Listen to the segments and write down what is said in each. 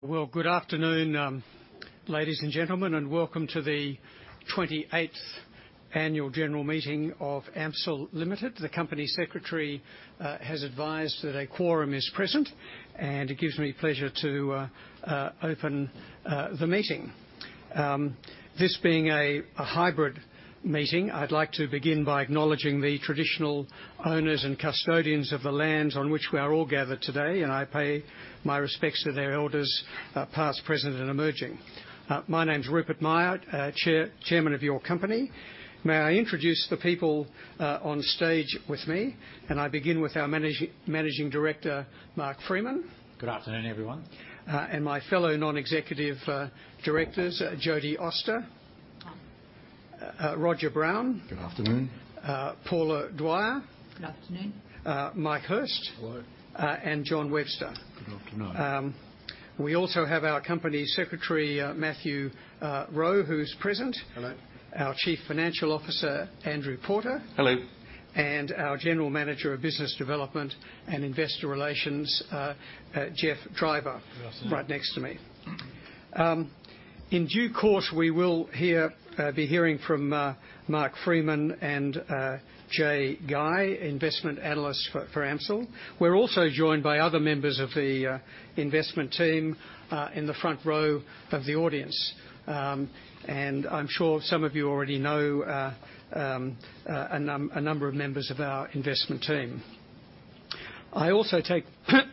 Well, good afternoon, ladies and gentlemen, and welcome to the 28th Annual General Meeting of AMCIL Limited. The company secretary has advised that a quorum is present, and it gives me pleasure to open the meeting. This being a hybrid meeting, I'd like to begin by acknowledging the traditional owners and custodians of the lands on which we are all gathered today, and I pay my respects to their elders past, present, and emerging. My name's Rupert Myer, Chairman of your company. May I introduce the people on stage with me, and I begin with our Managing Director, Mark Freeman. Good afternoon, everyone. My fellow non-executive directors, Jodie Auster. Hi. Roger Brown. Good afternoon. Paula Dwyer. Good afternoon. Mike Hirst. Hello. And Jon Webster. Good afternoon. We also have our company secretary, Matthew Rowe, who's present. Hello. Our Chief Financial Officer, Andrew Porter. Hello. Our General Manager of Business Development and Investor Relations, Geoff Driver. Good afternoon. Right next to me. In due course, we will be hearing from Mark Freeman and Jaye Guy, investment analyst for AMCIL. We're also joined by other members of the investment team in the front row of the audience. I'm sure some of you already know a number of members of our investment team. I also take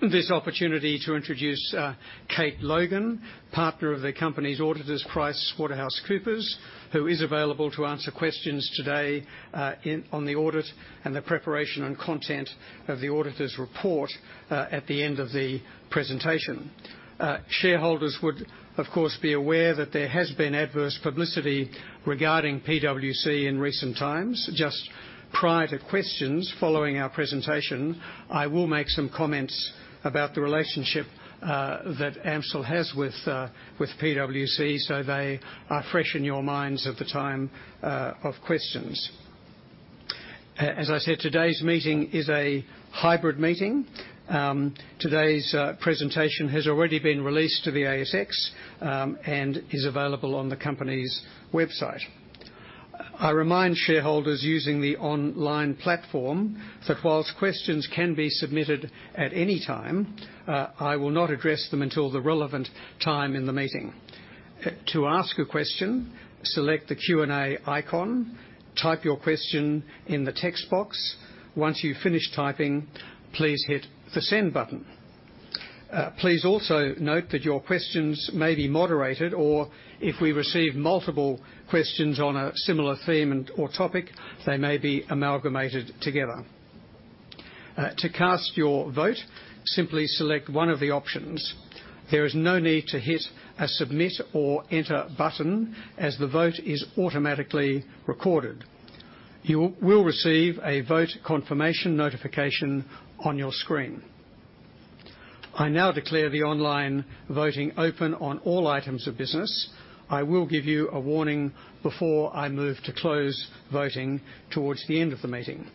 this opportunity to introduce Kate Logan, partner of the company's auditors, PricewaterhouseCoopers, who is available to answer questions today on the audit and the preparation and content of the auditor's report at the end of the presentation. Shareholders would, of course, be aware that there has been adverse publicity regarding PwC in recent times. Just prior to questions following our presentation, I will make some comments about the relationship that AMCIL has with PwC, so they are fresh in your minds at the time of questions. As I said, today's meeting is a hybrid meeting. Today's presentation has already been released to the ASX and is available on the company's website. I remind shareholders using the online platform that while questions can be submitted at any time, I will not address them until the relevant time in the meeting. To ask a question, select the Q&A icon, type your question in the text box. Once you've finished typing, please hit the Send button. Please also note that your questions may be moderated, or if we receive multiple questions on a similar theme and/or topic, they may be amalgamated together. To cast your vote, simply select one of the options. There is no need to hit a Submit or Enter button, as the vote is automatically recorded. You will receive a vote confirmation notification on your screen. I now declare the online voting open on all items of business. I will give you a warning before I move to close voting towards the end of the meeting.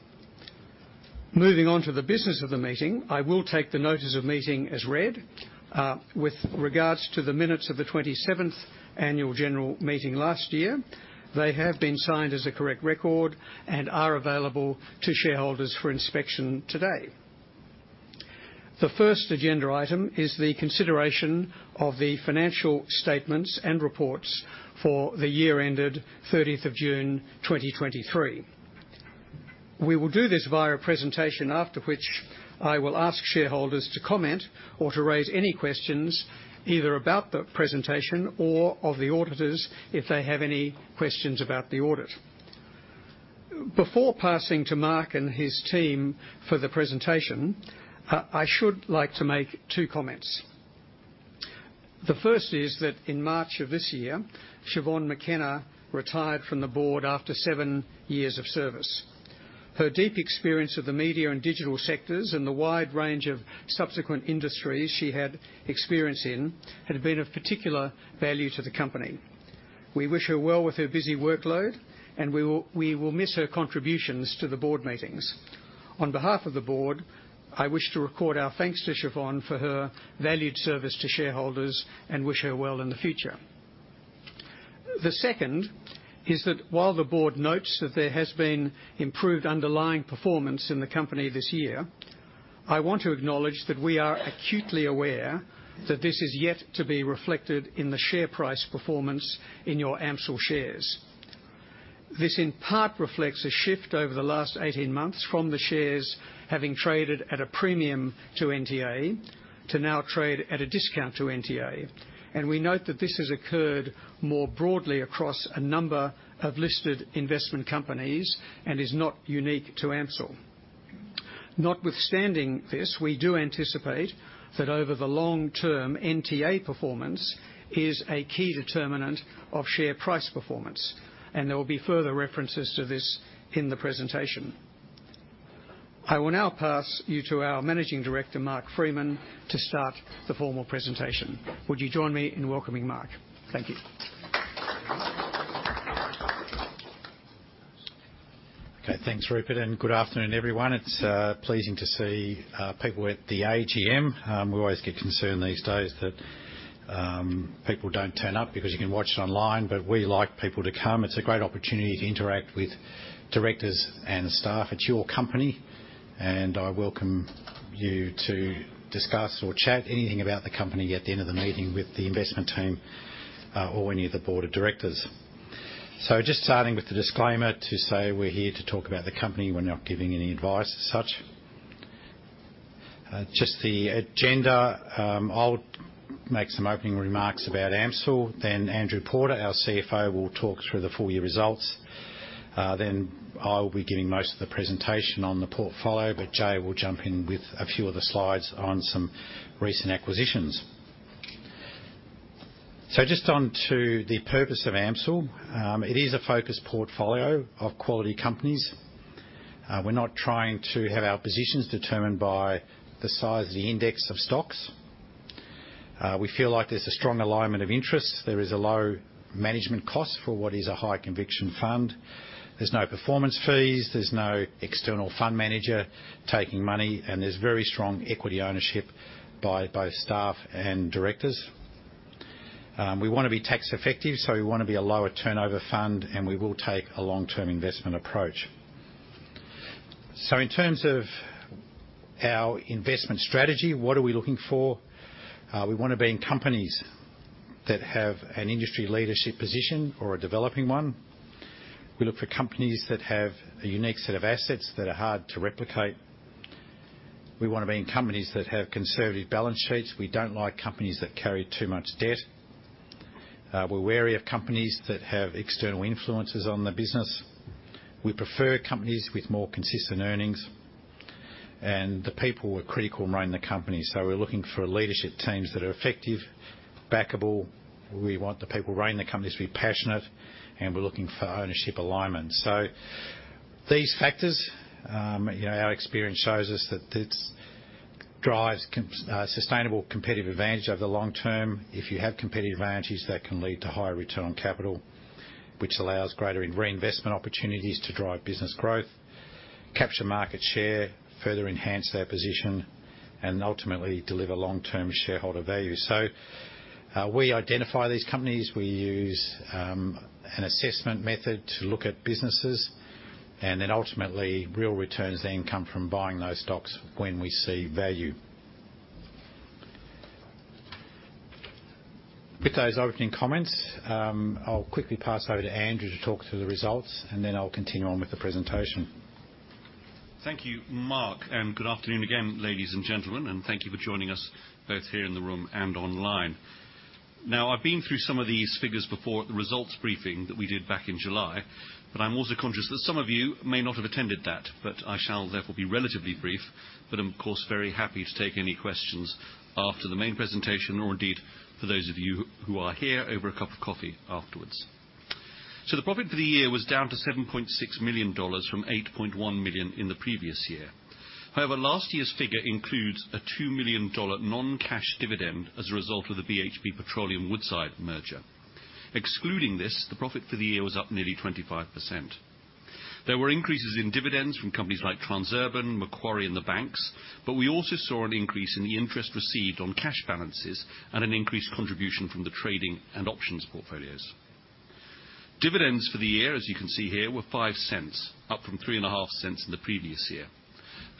Moving on to the business of the meeting, I will take the notice of meeting as read. With regards to the minutes of the 27th Annual General Meeting last year, they have been signed as a correct record and are available to shareholders for inspection today. The first agenda item is the consideration of the financial statements and reports for the year ended 30th of June 2023. We will do this via a presentation, after which I will ask shareholders to comment or to raise any questions, either about the presentation or of the auditors, if they have any questions about the audit. Before passing to Mark and his team for the presentation, I should like to make two comments. The first is that in March of this year, Siobhan McKenna retired from the Board after seven years of service. Her deep experience of the media and digital sectors, and the wide range of subsequent industries she had experience in, had been of particular value to the company. We wish her well with her busy workload, and we will, we will miss her contributions to the Board meetings. On behalf of the Board, I wish to record our thanks to Siobhan for her valued service to shareholders and wish her well in the future. The second is that while the Board notes that there has been improved underlying performance in the company this year, I want to acknowledge that we are acutely aware that this is yet to be reflected in the share price performance in your AMCIL shares. This, in part, reflects a shift over the last 18 months from the shares having traded at a premium to NTA to now trade at a discount to NTA, and we note that this has occurred more broadly across a number of listed investment companies and is not unique to AMCIL. Notwithstanding this, we do anticipate that over the long term, NTA performance is a key determinant of share price performance, and there will be further references to this in the presentation. I will now pass you to our Managing Director, Mark Freeman, to start the formal presentation. Would you join me in welcoming Mark? Thank you. Okay, thanks, Rupert, and good afternoon, everyone. It's pleasing to see people at the AGM. We always get concerned these days that people don't turn up because you can watch it online, but we like people to come. It's a great opportunity to interact with directors and staff. It's your company, and I welcome you to discuss or chat anything about the company at the end of the meeting with the investment team or any of the Board of Directors. So just starting with the disclaimer to say we're here to talk about the company. We're not giving any advice as such. Just the agenda, I'll make some opening remarks about AMCIL. Then Andrew Porter, our CFO, will talk through the full year results. Then I will be giving most of the presentation on the portfolio, but Jaye will jump in with a few of the slides on some recent acquisitions. So just on to the purpose of AMCIL. It is a focused portfolio of quality companies. We're not trying to have our positions determined by the size of the index of stocks. We feel like there's a strong alignment of interests. There is a low management cost for what is a high conviction fund. There's no performance fees, there's no external fund manager taking money, and there's very strong equity ownership by both staff and directors. We want to be tax effective, so we want to be a lower turnover fund, and we will take a long-term investment approach. So in terms of our investment strategy, what are we looking for? We want to be in companies that have an industry leadership position or a developing one. We look for companies that have a unique set of assets that are hard to replicate. We want to be in companies that have conservative balance sheets. We don't like companies that carry too much debt. We're wary of companies that have external influences on the business. We prefer companies with more consistent earnings, and the people are critical in running the company. So we're looking for leadership teams that are effective, backable. We want the people running the companies to be passionate, and we're looking for ownership alignment. So these factors, you know, our experience shows us that this drives sustainable competitive advantage over the long term. If you have competitive advantages, that can lead to higher return on capital, which allows greater in reinvestment opportunities to drive business growth, capture market share, further enhance their position, and ultimately deliver long-term shareholder value. So, we identify these companies. We use an assessment method to look at businesses, and then ultimately, real returns then come from buying those stocks when we see value. With those opening comments, I'll quickly pass over to Andrew to talk through the results, and then I'll continue on with the presentation. Thank you, Mark, and good afternoon again, ladies and gentlemen, and thank you for joining us, both here in the room and online. Now, I've been through some of these figures before at the results briefing that we did back in July, but I'm also conscious that some of you may not have attended that, but I shall therefore be relatively brief. But I'm, of course, very happy to take any questions after the main presentation, or indeed, for those of you who are here, over a cup of coffee afterwards. So the profit for the year was down to 7.6 million dollars from 8.1 million in the previous year. However, last year's figure includes a 2 million dollar non-cash dividend as a result of the BHP Petroleum Woodside merger. Excluding this, the profit for the year was up nearly 25%. There were increases in dividends from companies like Transurban, Macquarie, and the banks, but we also saw an increase in the interest received on cash balances and an increased contribution from the trading and options portfolios. Dividends for the year, as you can see here, were 0.05, up from 0.035 in the previous year.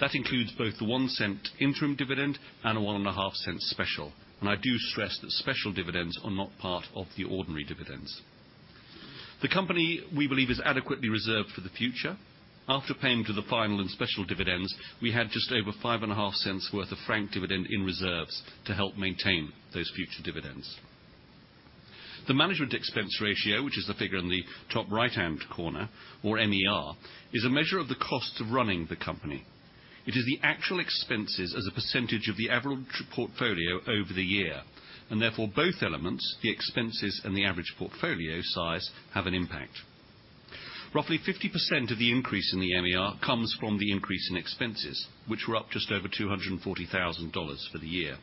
That includes both the 0.01 interim dividend and a 0.015 special, and I do stress that special dividends are not part of the ordinary dividends. The company, we believe, is adequately reserved for the future. After paying the final and special dividends, we had just over 0.055 worth of franked dividend in reserves to help maintain those future dividends. The Management Expense Ratio, which is the figure in the top right-hand corner, or MER, is a measure of the cost of running the company. It is the actual expenses as a percentage of the average portfolio over the year, and therefore both elements, the expenses and the average portfolio size, have an impact. Roughly 50% of the increase in the MER comes from the increase in expenses, which were up just over 240,000 dollars for the year.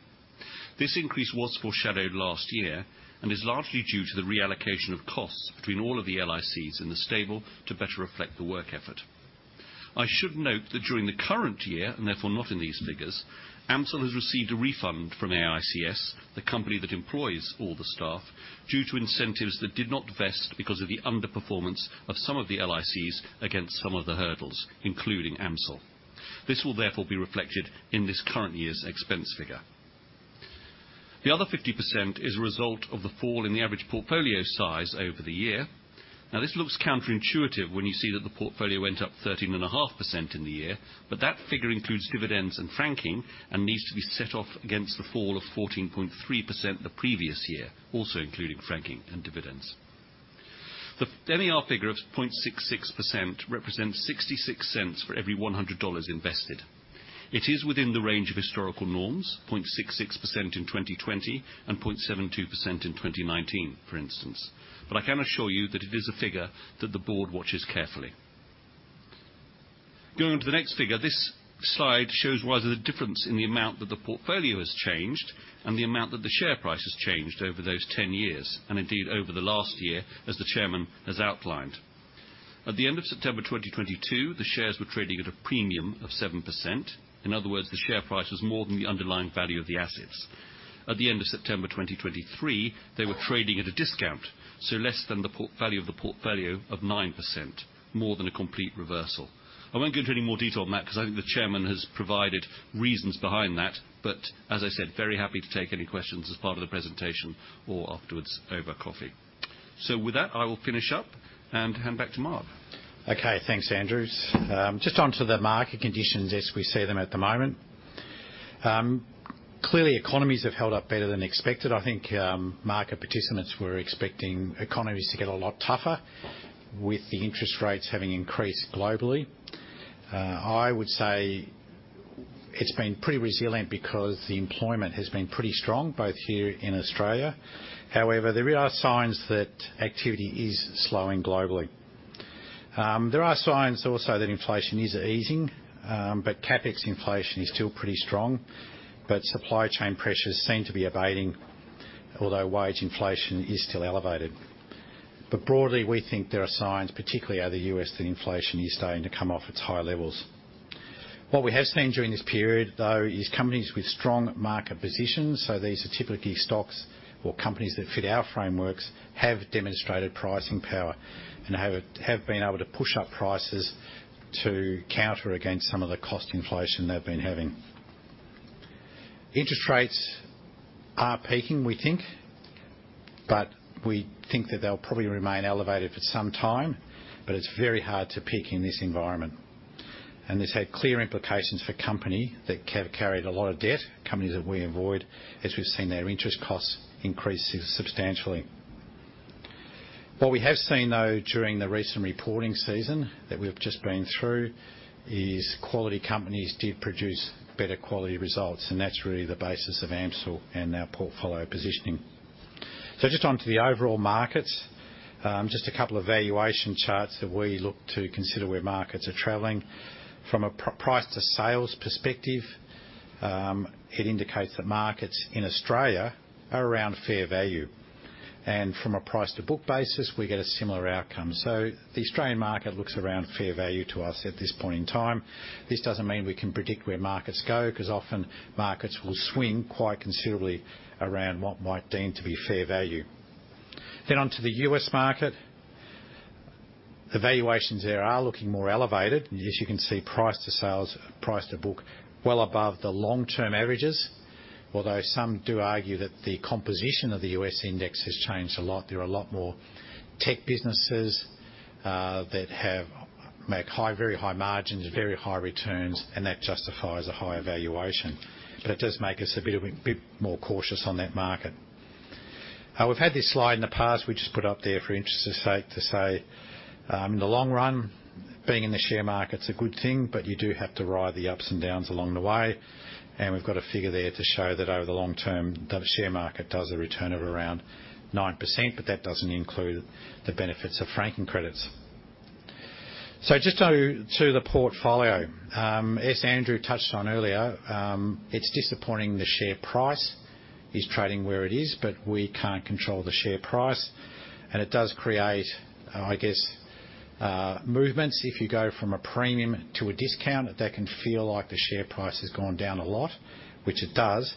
This increase was foreshadowed last year and is largely due to the reallocation of costs between all of the LICs in the stable to better reflect the work effort. I should note that during the current year, and therefore not in these figures, AMCIL has received a refund from AICS, the company that employs all the staff, due to incentives that did not vest because of the underperformance of some of the LICs against some of the hurdles, including AMCIL. This will therefore be reflected in this current year's expense figure. The other 50% is a result of the fall in the average portfolio size over the year. Now, this looks counterintuitive when you see that the portfolio went up 13.5% in the year, but that figure includes dividends and franking and needs to be set off against the fall of 14.3% the previous year, also including franking and dividends. The MER figure of 0.66% represents 0.66 for every 100 dollars invested. It is within the range of historical norms, 0.66% in 2020 and 0.72% in 2019, for instance, but I can assure you that it is a figure that the Board watches carefully. Going on to the next figure, this slide shows why there's a difference in the amount that the portfolio has changed and the amount that the share price has changed over those 10 years, and indeed, over the last year, as the chairman has outlined. At the end of September 2022, the shares were trading at a premium of 7%. In other words, the share price was more than the underlying value of the assets. At the end of September 2023, they were trading at a discount, so less than the portfolio value of the portfolio of 9%, more than a complete reversal. I won't go into any more detail on that because I think the chairman has provided reasons behind that. But as I said, very happy to take any questions as part of the presentation or afterwards over coffee. So with that, I will finish up and hand back to Mark. Okay, thanks, Andrew. Just onto the market conditions as we see them at the moment. Clearly, economies have held up better than expected. I think, market participants were expecting economies to get a lot tougher with the interest rates having increased globally. I would say it's been pretty resilient because the employment has been pretty strong, both here in Australia. However, there are signs that activity is slowing globally. There are signs also that inflation is easing, but CapEx inflation is still pretty strong, but supply chain pressures seem to be abating, although wage inflation is still elevated. But broadly, we think there are signs, particularly out of the U.S., that inflation is starting to come off its high levels. What we have seen during this period, though, is companies with strong market positions, so these are typically stocks or companies that fit our frameworks, have demonstrated pricing power and have been able to push up prices to counter against some of the cost inflation they've been having. Interest rates are peaking, we think, but we think that they'll probably remain elevated for some time, but it's very hard to peak in this environment. And this had clear implications for companies that carried a lot of debt, companies that we avoid, as we've seen their interest costs increase substantially. What we have seen, though, during the recent reporting season that we've just been through, is quality companies did produce better quality results, and that's really the basis of AMCIL and our portfolio positioning. So just onto the overall markets, just a couple of valuation charts that we look to consider where markets are traveling. From a price to sales perspective, it indicates that markets in Australia are around fair value, and from a price to book basis, we get a similar outcome. So the Australian market looks around fair value to us at this point in time. This doesn't mean we can predict where markets go, because often markets will swing quite considerably around what might deem to be fair value. Then onto the U.S. market. The valuations there are looking more elevated. As you can see, price to sales, price to book, well above the long-term averages, although some do argue that the composition of the U.S. index has changed a lot. There are a lot more tech businesses that have make high, very high margins, very high returns, and that justifies a higher valuation. But it does make us a bit more cautious on that market. We've had this slide in the past. We just put it up there for interest's sake, to say, in the long run, being in the share market is a good thing, but you do have to ride the ups and downs along the way. And we've got a figure there to show that over the long term, the share market does a return of around 9%, but that doesn't include the benefits of franking credits. So just on to the portfolio. As Andrew touched on earlier, it's disappointing the share price is trading where it is, but we can't control the share price, and it does create, I guess, movements. If you go from a premium to a discount, that can feel like the share price has gone down a lot, which it does.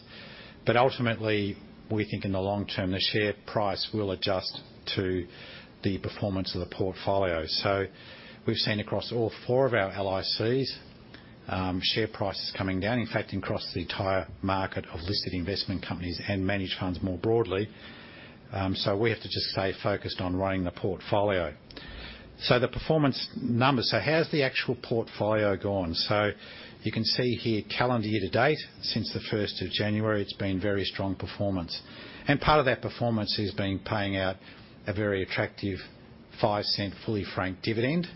But ultimately, we think in the long term, the share price will adjust to the performance of the portfolio. So we've seen across all four of our LICs, share prices coming down, in fact, across the entire market of listed investment companies and managed funds more broadly. So we have to just stay focused on running the portfolio. So the performance numbers. So how's the actual portfolio going? So you can see here, calendar year to date, since the first of January, it's been very strong performance, and part of that performance has been paying out a very attractive 0.05 fully franked dividend.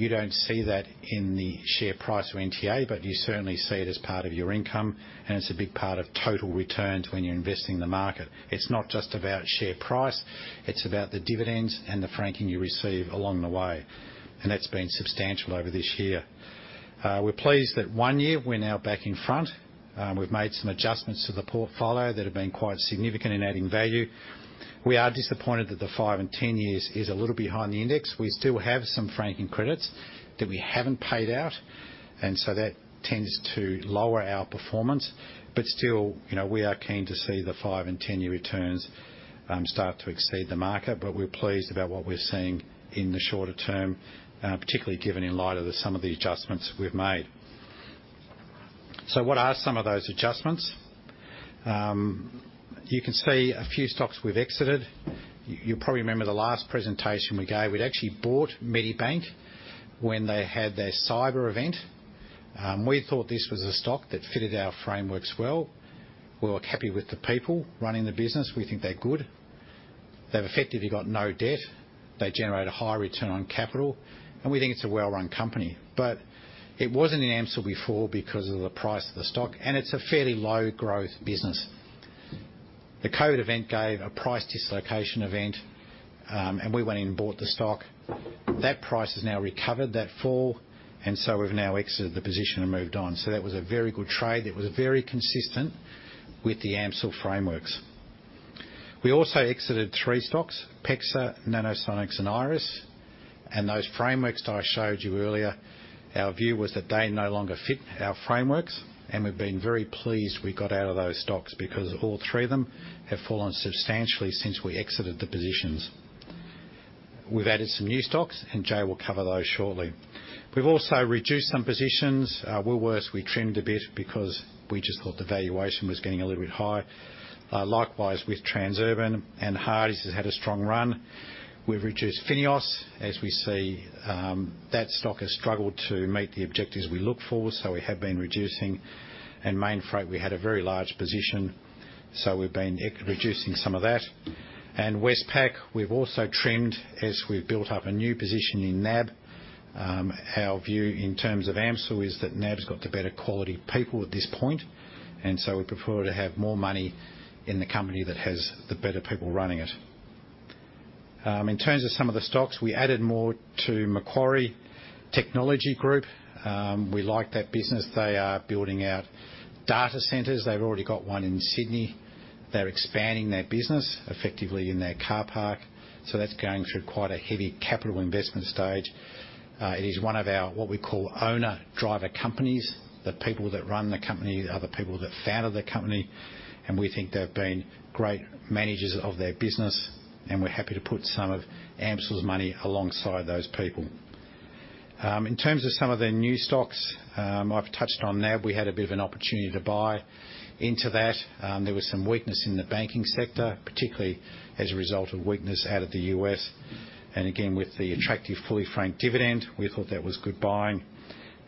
You don't see that in the share price or NTA, but you certainly see it as part of your income, and it's a big part of total returns when you're investing in the market. It's not just about share price, it's about the dividends and the franking you receive along the way, and that's been substantial over this year. We're pleased that one year we're now back in front. We've made some adjustments to the portfolio that have been quite significant in adding value. We are disappointed that the 5 and 10-year is a little behind the index. We still have some franking credits that we haven't paid out, and so that tends to lower our performance. But still, you know, we are keen to see the 5 and 10-year returns start to exceed the market, but we're pleased about what we're seeing in the shorter term, particularly given in light of some of the adjustments we've made. So what are some of those adjustments? You can see a few stocks we've exited. You probably remember the last presentation we gave; we'd actually bought Medibank when they had their cyber event. We thought this was a stock that fitted our frameworks well. We were happy with the people running the business. We think they're good. They've effectively got no debt. They generate a high return on capital, and we think it's a well-run company. It wasn't in AMCIL before because of the price of the stock, and it's a fairly low growth business. The COVID event gave a price dislocation event, and we went in and bought the stock. That price has now recovered that fall, and we've now exited the position and moved on. That was a very good trade. It was very consistent with the AMCIL frameworks. We also exited three stocks, PEXA, Nanosonics, and IRESS, and those frameworks that I showed you earlier, our view was that they no longer fit our frameworks, and we've been very pleased we got out of those stocks because all three of them have fallen substantially since we exited the positions. We've added some new stocks, and Jaye will cover those shortly. We've also reduced some positions. Woolworths we trimmed a bit because we just thought the valuation was getting a little bit high. Likewise with Transurban, and Hardies has had a strong run. We've reduced FINEOS, as we see, that stock has struggled to meet the objectives we look for, so we have been reducing. Mainfreight, we had a very large position, so we've been reducing some of that. Westpac, we've also trimmed as we've built up a new position in NAB. Our view in terms of AMCIL is that NAB's got the better quality people at this point, and so we prefer to have more money in the company that has the better people running it. In terms of some of the stocks, we added more to Macquarie Technology Group. We like that business. They are building out data centers. They've already got one in Sydney. They're expanding their business effectively in their car park, so that's going through quite a heavy capital investment stage. It is one of our, what we call, owner-driver companies. The people that run the company are the people that founded the company, and we think they've been great managers of their business, and we're happy to put some of AMCIL's money alongside those people. In terms of some of the new stocks, I've touched on NAB. We had a bit of an opportunity to buy into that. There was some weakness in the banking sector, particularly as a result of weakness out of the U.S. And again, with the attractive fully franked dividend, we thought that was good buying.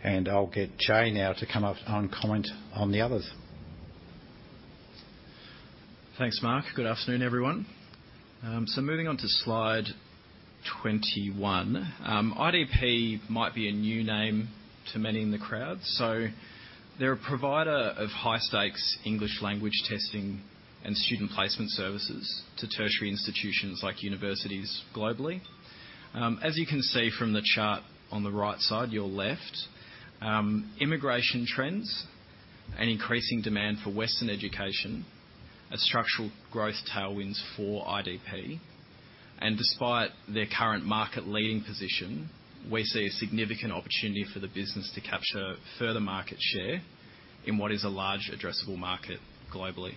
And I'll get Jaye now to come up and comment on the others. Thanks, Mark. Good afternoon, everyone. So moving on to slide 21. IDP might be a new name to many in the crowd. So they're a provider of high-stakes English language testing and student placement services to tertiary institutions like universities globally. As you can see from the chart on the right side, your left, immigration trends and increasing demand for Western education are structural growth tailwinds for IDP. And despite their current market-leading position, we see a significant opportunity for the business to capture further market share in what is a large addressable market globally.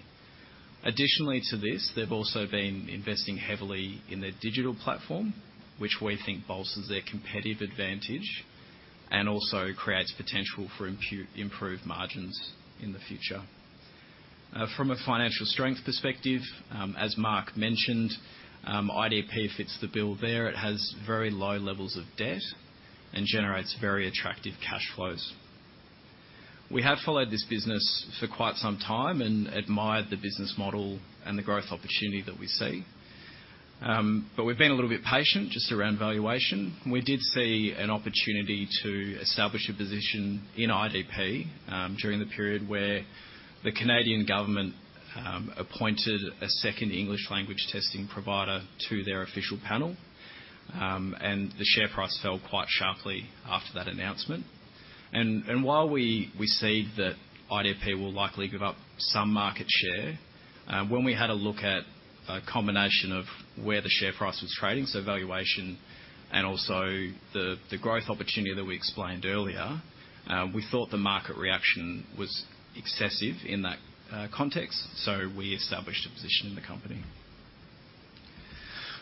Additionally to this, they've also been investing heavily in their digital platform, which we think bolsters their competitive advantage and also creates potential for improved margins in the future. From a financial strength perspective, as Mark mentioned, IDP fits the bill there. It has very low levels of debt and generates very attractive cash flows. We have followed this business for quite some time and admired the business model and the growth opportunity that we see. But we've been a little bit patient just around valuation. We did see an opportunity to establish a position in IDP, during the period where the Canadian government appointed a second English language testing provider to their official panel. And the share price fell quite sharply after that announcement. And while we see that IDP will likely give up some market share, when we had a look at a combination of where the share price was trading, so valuation and also the growth opportunity that we explained earlier, we thought the market reaction was excessive in that context, so we established a position in the company.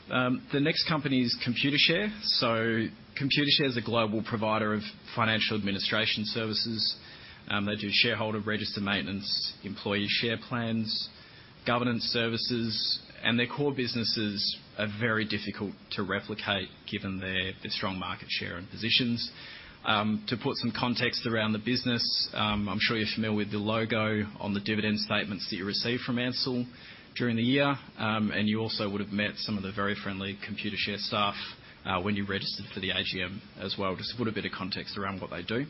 The next company is Computershare. So Computershare is a global provider of financial administration services. They do shareholder register maintenance, employee share plans, governance services, and their core businesses are very difficult to replicate given their strong market share and positions. To put some context around the business, I'm sure you're familiar with the logo on the dividend statements that you receive from AMCIL during the year. And you also would have met some of the very friendly Computershare staff when you registered for the AGM as well, just to put a bit of context around what they do.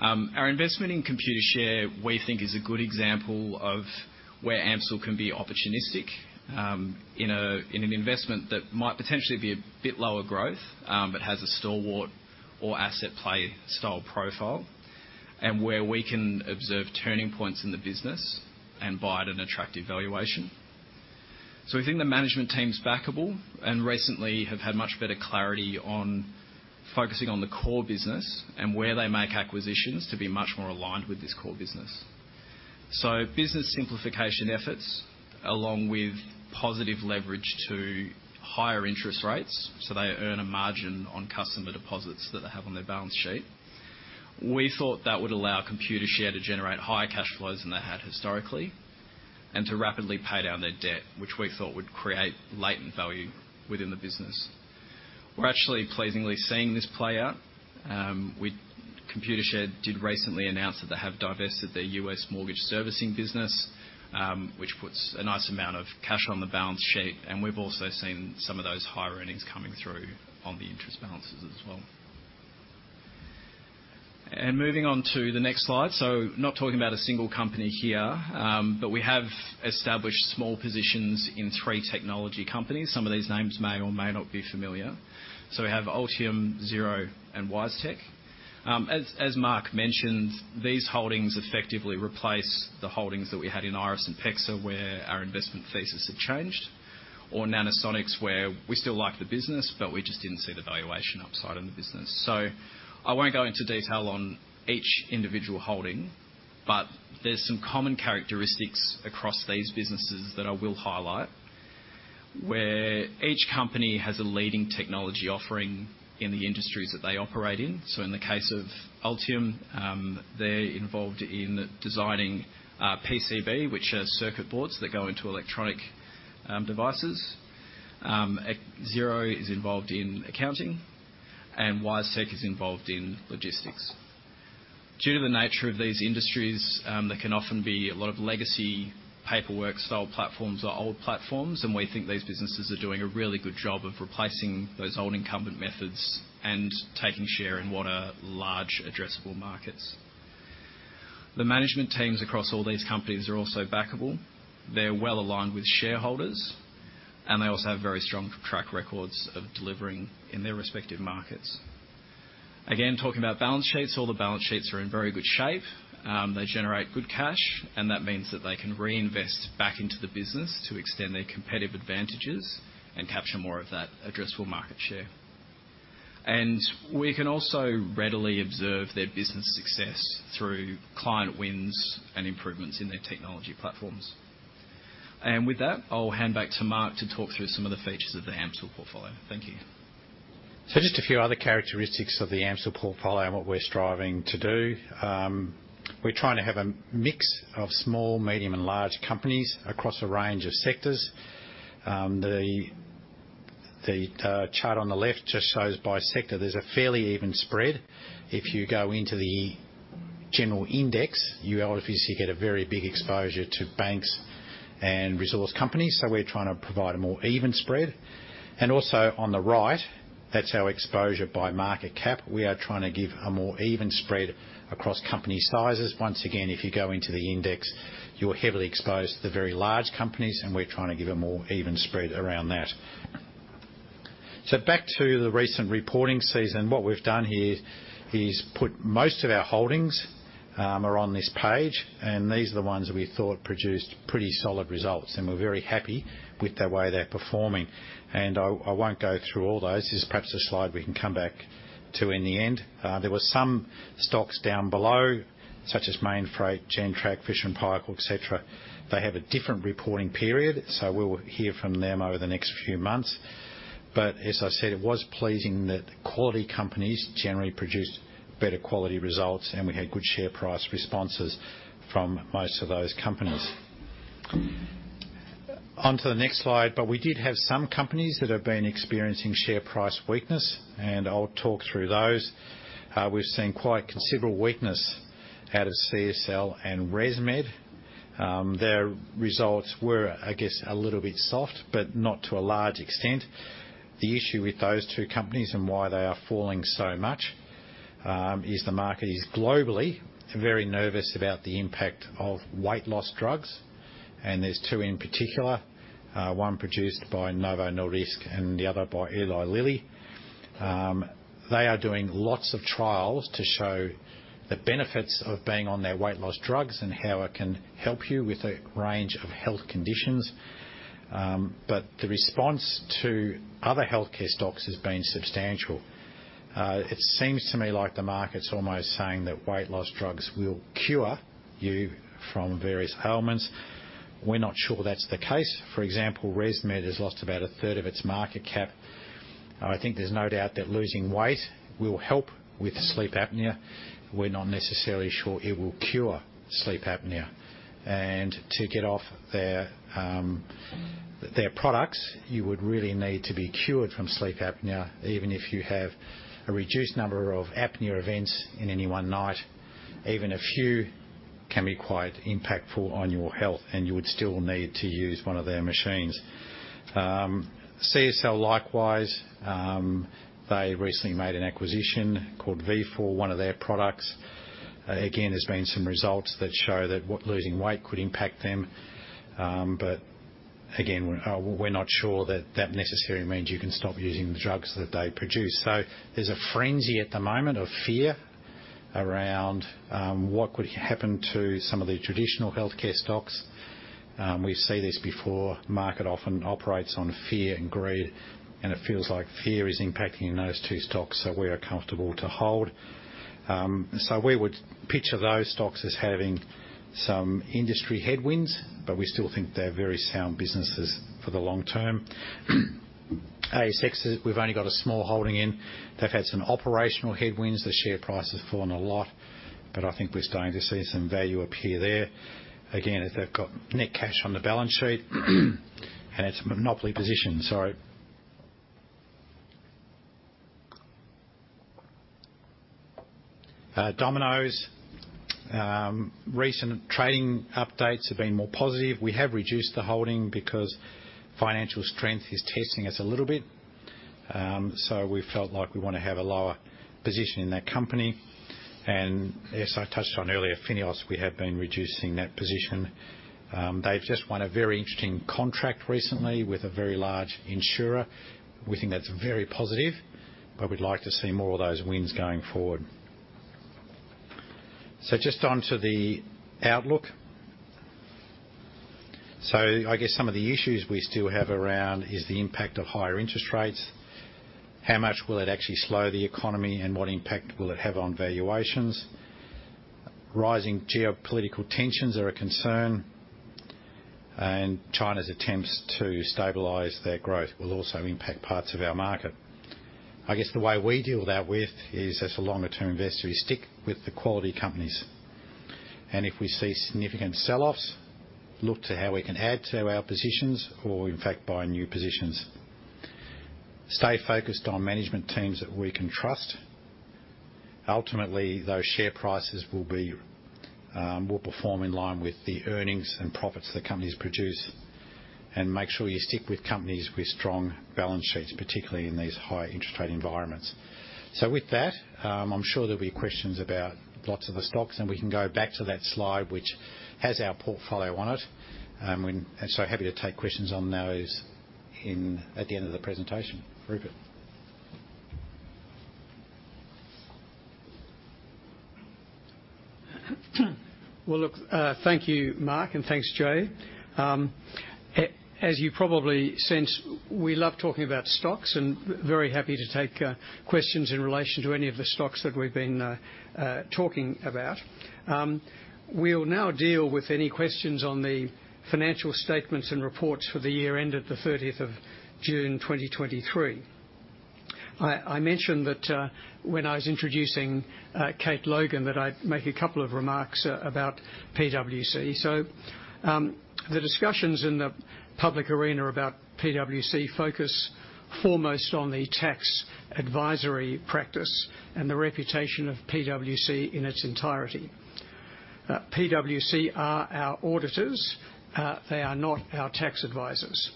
Our investment in Computershare, we think, is a good example of where AMCIL can be opportunistic, in an investment that might potentially be a bit lower growth, but has a stalwart or asset play style profile, and where we can observe turning points in the business and buy at an attractive valuation. So we think the management team is backable and recently have had much better clarity on focusing on the core business and where they make acquisitions to be much more aligned with this core business. So business simplification efforts, along with positive leverage to higher interest rates, so they earn a margin on customer deposits that they have on their balance sheet. We thought that would allow Computershare to generate higher cash flows than they had historically, and to rapidly pay down their debt, which we thought would create latent value within the business. We're actually pleasingly seeing this play out. Computershare did recently announce that they have divested their U.S. mortgage servicing business, which puts a nice amount of cash on the balance sheet, and we've also seen some of those higher earnings coming through on the interest balances as well. Moving on to the next slide. Not talking about a single company here, but we have established small positions in three technology companies. Some of these names may or may not be familiar. We have Altium, Xero, and WiseTech. As Mark mentioned, these holdings effectively replace the holdings that we had in IRESS and PEXA, where our investment thesis had changed, or Nanosonics where we still like the business, but we just didn't see the valuation upside in the business. I won't go into detail on each individual holding, but there's some common characteristics across these businesses that I will highlight, where each company has a leading technology offering in the industries that they operate in. In the case of Altium, they're involved in designing PCB, which are circuit boards that go into electronic devices. Xero is involved in accounting, and WiseTech is involved in logistics. Due to the nature of these industries, there can often be a lot of legacy paperwork-style platforms or old platforms, and we think these businesses are doing a really good job of replacing those old incumbent methods and taking share in what are large addressable markets. The management teams across all these companies are also backable. They're well aligned with shareholders, and they also have very strong track records of delivering in their respective markets. Again, talking about balance sheets, all the balance sheets are in very good shape. They generate good cash, and that means that they can reinvest back into the business to extend their competitive advantages and capture more of that addressable market share. And we can also readily observe their business success through client wins and improvements in their technology platforms. With that, I'll hand back to Mark to talk through some of the features of the AMCIL portfolio. Thank you. So just a few other characteristics of the AMCIL portfolio and what we're striving to do. We're trying to have a mix of small, medium, and large companies across a range of sectors. The chart on the left just shows by sector there's a fairly even spread. If you go into the general index, you obviously get a very big exposure to banks and resource companies, so we're trying to provide a more even spread. Also on the right, that's our exposure by market cap. We are trying to give a more even spread across company sizes. Once again, if you go into the index, you're heavily exposed to the very large companies, and we're trying to give a more even spread around that. So back to the recent reporting season. What we've done here is put most of our holdings are on this page, and these are the ones that we thought produced pretty solid results, and we're very happy with the way they're performing. And I won't go through all those. This is perhaps a slide we can come back to in the end. There were some stocks down below, such as Mainfreight, Gentrack, Fisher & Paykel, et cetera. They have a different reporting period, so we'll hear from them over the next few months. But as I said, it was pleasing that quality companies generally produced better quality results, and we had good share price responses from most of those companies. On to the next slide. But we did have some companies that have been experiencing share price weakness, and I'll talk through those. We've seen quite considerable weakness out of CSL and ResMed. Their results were, I guess, a little bit soft, but not to a large extent. The issue with those two companies and why they are falling so much is the market is globally very nervous about the impact of weight loss drugs, and there's two in particular, one produced by Novo Nordisk and the other by Eli Lilly. They are doing lots of trials to show the benefits of being on their weight loss drugs and how it can help you with a range of health conditions. But the response to other healthcare stocks has been substantial. It seems to me like the market's almost saying that weight loss drugs will cure you from various ailments. We're not sure that's the case. For example, ResMed has lost about a third of its market cap. I think there's no doubt that losing weight will help with sleep apnea. We're not necessarily sure it will cure sleep apnea. And to get off their their products, you would really need to be cured from sleep apnea. Even if you have a reduced number of apnea events in any one night, even a few can be quite impactful on your health, and you would still need to use one of their machines. CSL, likewise, they recently made an acquisition called Vifor, one of their products. Again, there's been some results that show that losing weight could impact them. But again, we're not sure that that necessarily means you can stop using the drugs that they produce. So there's a frenzy at the moment of fear around what could happen to some of the traditional healthcare stocks. We've seen this before. Market often operates on fear and greed, and it feels like fear is impacting those two stocks that we are comfortable to hold. We would picture those stocks as having some industry headwinds, but we still think they're very sound businesses for the long term. ASX, we've only got a small holding in. They've had some operational headwinds. The share price has fallen a lot, but I think we're starting to see some value appear there. Again, they've got net cash on the balance sheet, and it's a monopoly position, so. Domino's? Recent trading updates have been more positive. We have reduced the holding because financial strength is testing us a little bit. We felt like we wanna have a lower position in that company. As I touched on earlier, FINEOS, we have been reducing that position. They've just won a very interesting contract recently with a very large insurer. We think that's very positive, but we'd like to see more of those wins going forward. So just onto the outlook. So I guess some of the issues we still have around is the impact of higher interest rates. How much will it actually slow the economy, and what impact will it have on valuations? Rising geopolitical tensions are a concern, and China's attempts to stabilize their growth will also impact parts of our market. I guess, the way we deal that with is, as a longer-term investor, we stick with the quality companies, and if we see significant sell-offs, look to how we can add to our positions or, in fact, buy new positions. Stay focused on management teams that we can trust. Ultimately, those share prices will be will perform in line with the earnings and profits the companies produce. Make sure you stick with companies with strong balance sheets, particularly in these high interest rate environments. With that, I'm sure there'll be questions about lots of the stocks, and we can go back to that slide, which has our portfolio on it. So happy to take questions on those in at the end of the presentation. Rupert? Well, look, thank you, Mark, and thanks, Jaye. As you probably sensed, we love talking about stocks, and very happy to take questions in relation to any of the stocks that we've been talking about. We'll now deal with any questions on the financial statements and reports for the year ended the 30th of June, 2023. I mentioned that, when I was introducing Kate Logan, that I'd make a couple of remarks about PwC. So, the discussions in the public arena about PwC focus foremost on the tax advisory practice and the reputation of PwC in its entirety. PwC are our auditors, they are not our tax advisors.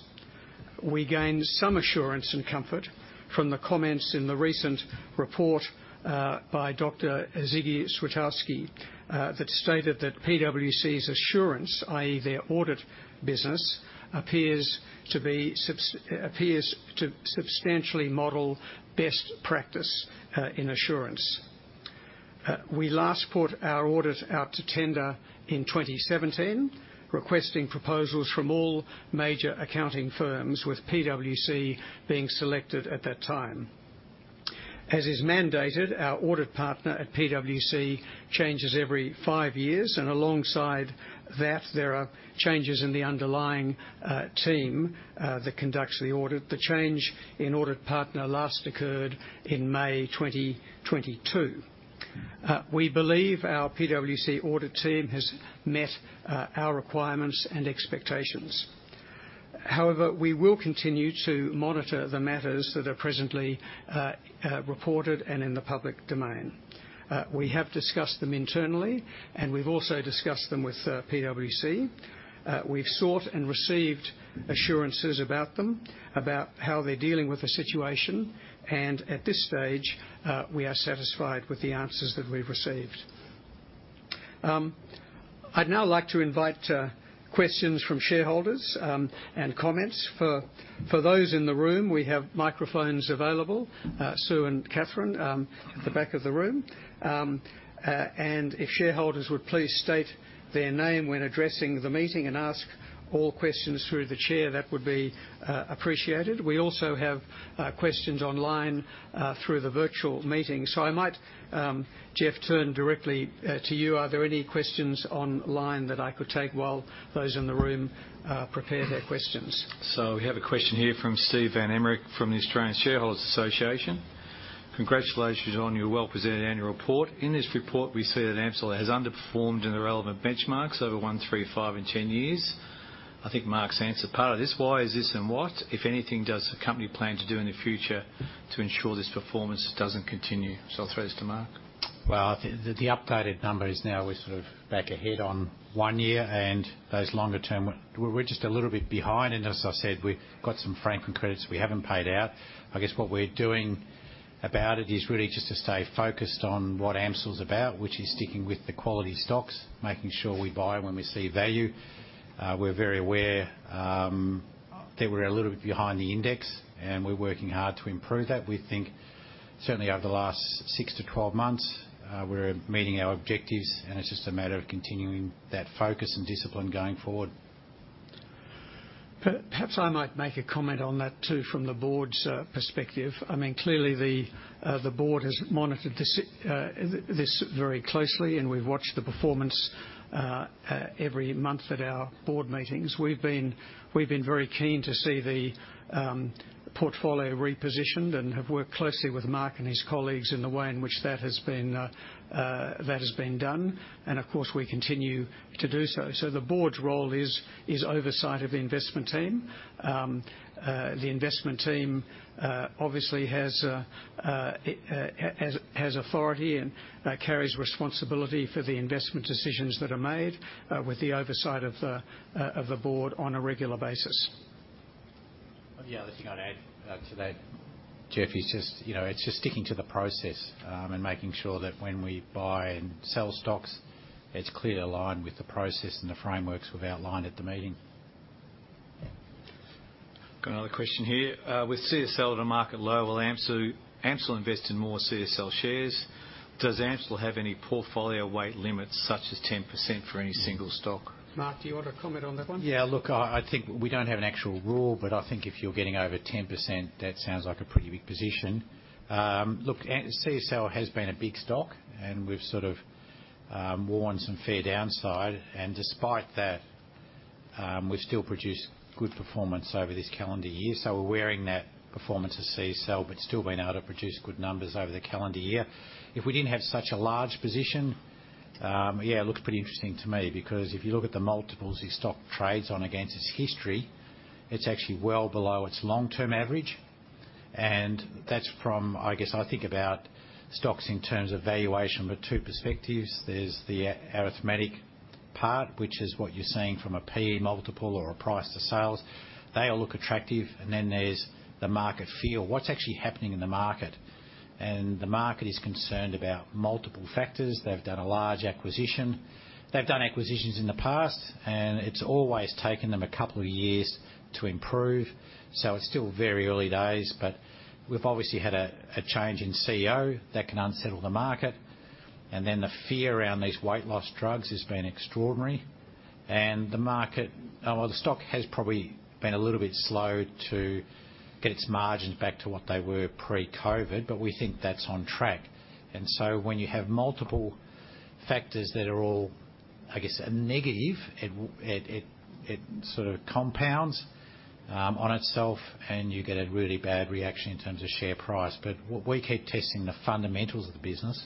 We gained some assurance and comfort from the comments in the recent report, by Dr. Ziggy Switkowski, that stated that PwC's assurance, i.e., their audit business, appears to substantially model best practice in assurance. We last put our audit out to tender in 2017, requesting proposals from all major accounting firms, with PwC being selected at that time. As is mandated, our audit partner at PwC changes every five years, and alongside that, there are changes in the underlying team that conducts the audit. The change in audit partner last occurred in May 2022. We believe our PwC audit team has met our requirements and expectations. However, we will continue to monitor the matters that are presently reported and in the public domain. We have discussed them internally, and we've also discussed them with PwC. We've sought and received assurances about them, about how they're dealing with the situation, and at this stage, we are satisfied with the answers that we've received. I'd now like to invite questions from shareholders and comments. For those in the room, we have microphones available, Sue and Catherine at the back of the room. And if shareholders would please state their name when addressing the meeting and ask all questions through the chair, that would be appreciated. We also have questions online through the virtual meeting. So I might, Geoff, turn directly to you. Are there any questions online that I could take while those in the room prepare their questions? So we have a question here from Steve Van Emmerik, from the Australian Shareholders Association. "Congratulations on your well-presented annual report. In this report, we see that AMCIL has underperformed in the relevant benchmarks over one, three, five, and ten years." I think Mark's answered part of this. "Why is this, and what, if anything, does the company plan to do in the future to ensure this performance doesn't continue?" So I'll throw this to Mark. Well, I think the updated number is now we're sort of back ahead on one year, and those longer term, we're just a little bit behind, and as I said, we've got some franking credits we haven't paid out. I guess what we're doing about it is really just to stay focused on what AMCIL's about, which is sticking with the quality stocks, making sure we buy when we see value. We're very aware that we're a little bit behind the index, and we're working hard to improve that. We think certainly over the last six to twelve months, we're meeting our objectives, and it's just a matter of continuing that focus and discipline going forward. Perhaps I might make a comment on that, too, from the Board's perspective. I mean, clearly, the Board has monitored this very closely, and we've watched the performance every month at our Board meetings. We've been very keen to see the portfolio repositioned and have worked closely with Mark and his colleagues in the way in which that has been done, and of course, we continue to do so. So the Board's role is oversight of the investment team. The investment team obviously has authority and carries responsibility for the investment decisions that are made with the oversight of the Board on a regular basis. The other thing I'd add to that, Geoff, is just, you know, it's just sticking to the process, and making sure that when we buy and sell stocks, it's clearly aligned with the process and the frameworks we've outlined at the meeting. Got another question here. With CSL at a market low, will AMCIL, AMCIL invest in more CSL shares? Does AMCIL have any portfolio weight limits, such as 10% for any single stock? Mark, do you want to comment on that one? Yeah, look, I think we don't have an actual rule, but I think if you're getting over 10%, that sounds like a pretty big position. Look, and CSL has been a big stock, and we've sort of worn some fair downside, and despite that, we've still produced good performance over this calendar year. So we're wearing that performance of CSL, but still being able to produce good numbers over the calendar year. If we didn't have such a large position, yeah, it looks pretty interesting to me, because if you look at the multiples, the stock trades on against its history, it's actually well below its long-term average. And that's from, I guess, I think about stocks in terms of valuation, but two perspectives. There's the arithmetic part, which is what you're seeing from a PE multiple or a price to sales. They all look attractive, and then there's the market feel. What's actually happening in the market? And the market is concerned about multiple factors. They've done a large acquisition. They've done acquisitions in the past, and it's always taken them a couple of years to improve. So it's still very early days, but we've obviously had a change in CEO that can unsettle the market, and then the fear around these weight loss drugs has been extraordinary. And the market, well, the stock has probably been a little bit slow to get its margins back to what they were pre-COVID, but we think that's on track. And so when you have multiple factors that are all, I guess, a negative, it sort of compounds on itself, and you get a really bad reaction in terms of share price. But what we keep testing the fundamentals of the business,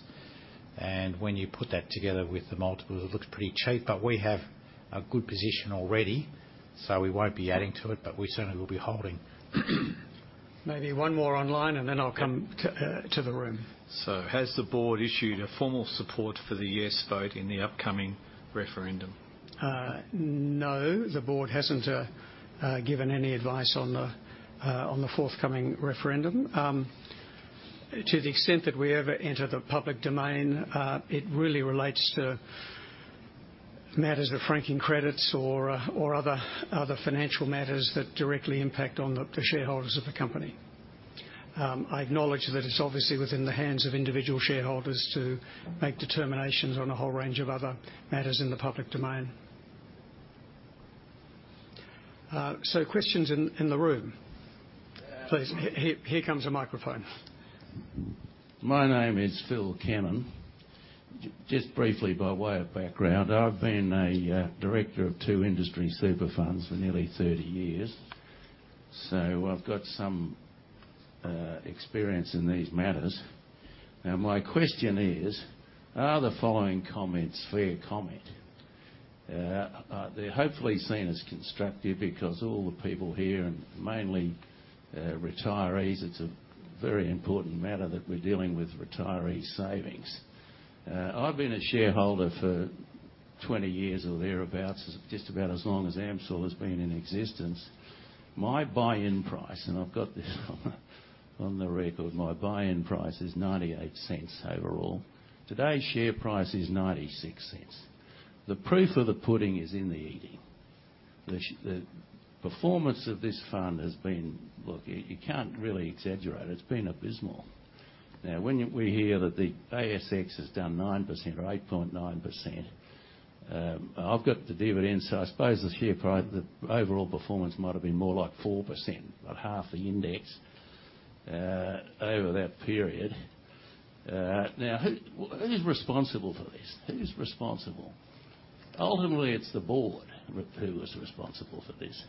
and when you put that together with the multiple, it looks pretty cheap. But we have a good position already, so we won't be adding to it, but we certainly will be holding. Maybe one more online, and then I'll come to the room. Has the Board issued a formal support for the yes vote in the upcoming referendum? No, the Board hasn't given any advice on the forthcoming referendum. To the extent that we ever enter the public domain, it really relates to matters of franking credits or other financial matters that directly impact on the shareholders of the company. I acknowledge that it's obviously within the hands of individual shareholders to make determinations on a whole range of other matters in the public domain. So questions in the room. Please, here comes a microphone. My name is Phil Cannon. Just briefly, by way of background, I've been a director of two industry super funds for nearly 30 years, so I've got some experience in these matters. Now, my question is, are the following comments fair comment? They're hopefully seen as constructive because all the people here and mainly retirees, it's a very important matter that we're dealing with retiree savings. I've been a shareholder for 20 years or thereabouts, just about as long as AMCIL has been in existence. My buy-in price, and I've got this on the record, my buy-in price is 0.98 overall. Today's share price is 0.96. The proof of the pudding is in the eating. The performance of this fund has been, look, you can't really exaggerate. It's been abysmal. Now, when we hear that the ASX has done 9% or 8.9%, I've got the dividends, so I suppose the share price, the overall performance might have been more like 4%, about half the index, over that period. Now, who, who is responsible for this? Who's responsible? Ultimately, it's the Board who is responsible for this.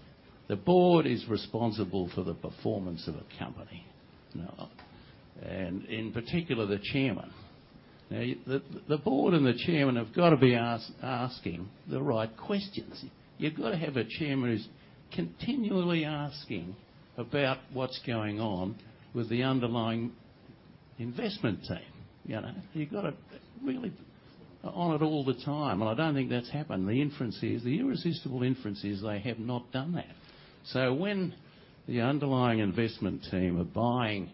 The Board is responsible for the performance of a company, you know, and in particular, the chairman. Now, the Board and the chairman have got to be asking the right questions. You've got to have a chairman who's continually asking about what's going on with the underlying investment team. You know, you've got to really be on it all the time, and I don't think that's happened. The inference is, the irresistible inference is they have not done that. When the underlying investment team are buying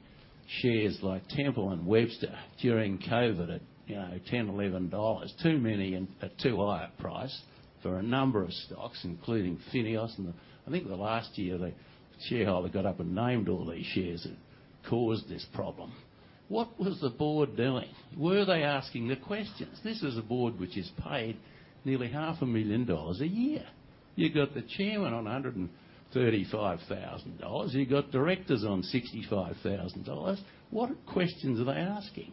shares like Temple & Webster during COVID at, you know, 10, 11 dollars, too many and at too high a price for a number of stocks, including FINEOS, and I think last year, the shareholder got up and named all these shares that caused this problem. What was the Board doing? Were they asking the questions? This is a Board which is paid nearly 500,000 dollars a year. You got the chairman on 135,000 dollars. You got directors on 65,000 dollars. What questions are they asking?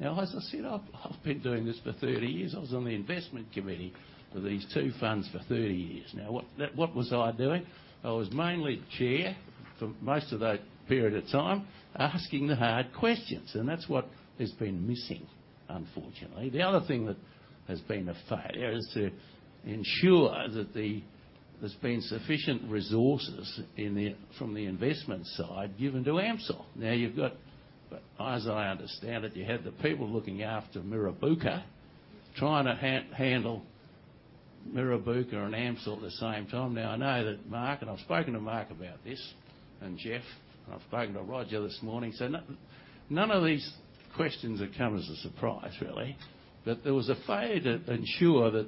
Now, as I said, I've been doing this for 30 years. I was on the investment committee for these two funds for 30 years. Now, what was I doing? I was mainly the chair for most of that period of time, asking the hard questions, and that's what has been missing, unfortunately. The other thing that has been a failure is to ensure that there's been sufficient resources in the, from the investment side, given to AMCIL. Now, you've got. But as I understand it, you had the people looking after Mirrabooka, trying to handle Mirrabooka and AMCIL at the same time. Now, I know that Mark, and I've spoken to Mark about this, and Geoff, and I've spoken to Roger this morning, so no, none of these questions have come as a surprise, really. But there was a failure to ensure that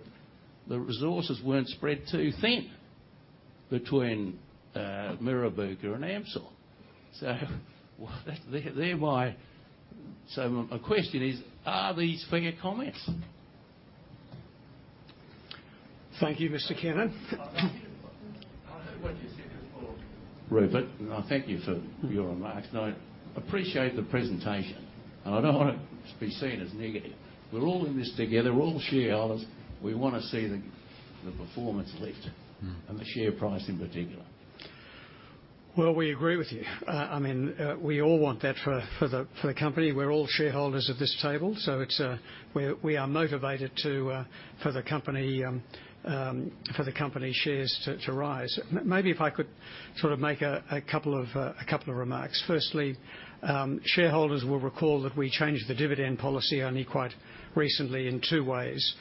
the resources weren't spread too thin between, Mirrabooka and AMCIL. So my question is, are these fair comments? Thank you, Mr. Cannon. I'll hear what you say before, Rupert, and I thank you for your remarks, and I appreciate the presentation, and I don't want to be seen as negative. We're all in this together. We're all shareholders. We want to see the performance lift. Mm. And the share price in particular. Well, we agree with you. I mean, we all want that for the company. We're all shareholders at this table, so it's, we are motivated for the company, for the company shares to rise. Maybe if I could sort of make a couple of, a couple of remarks. Firstly, shareholders will recall that we changed the dividend policy only quite recently in two ways.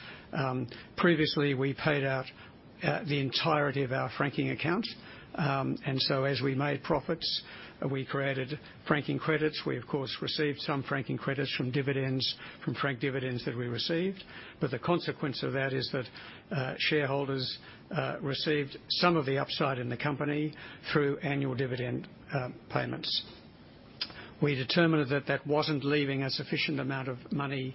Previously, we paid out the entirety of our franking account, and so as we made profits, we created franking credits. We, of course, received some franking credits from dividends, from franked dividends that we received, but the consequence of that is that shareholders received some of the upside in the company through annual dividend payments. We determined that that wasn't leaving a sufficient amount of money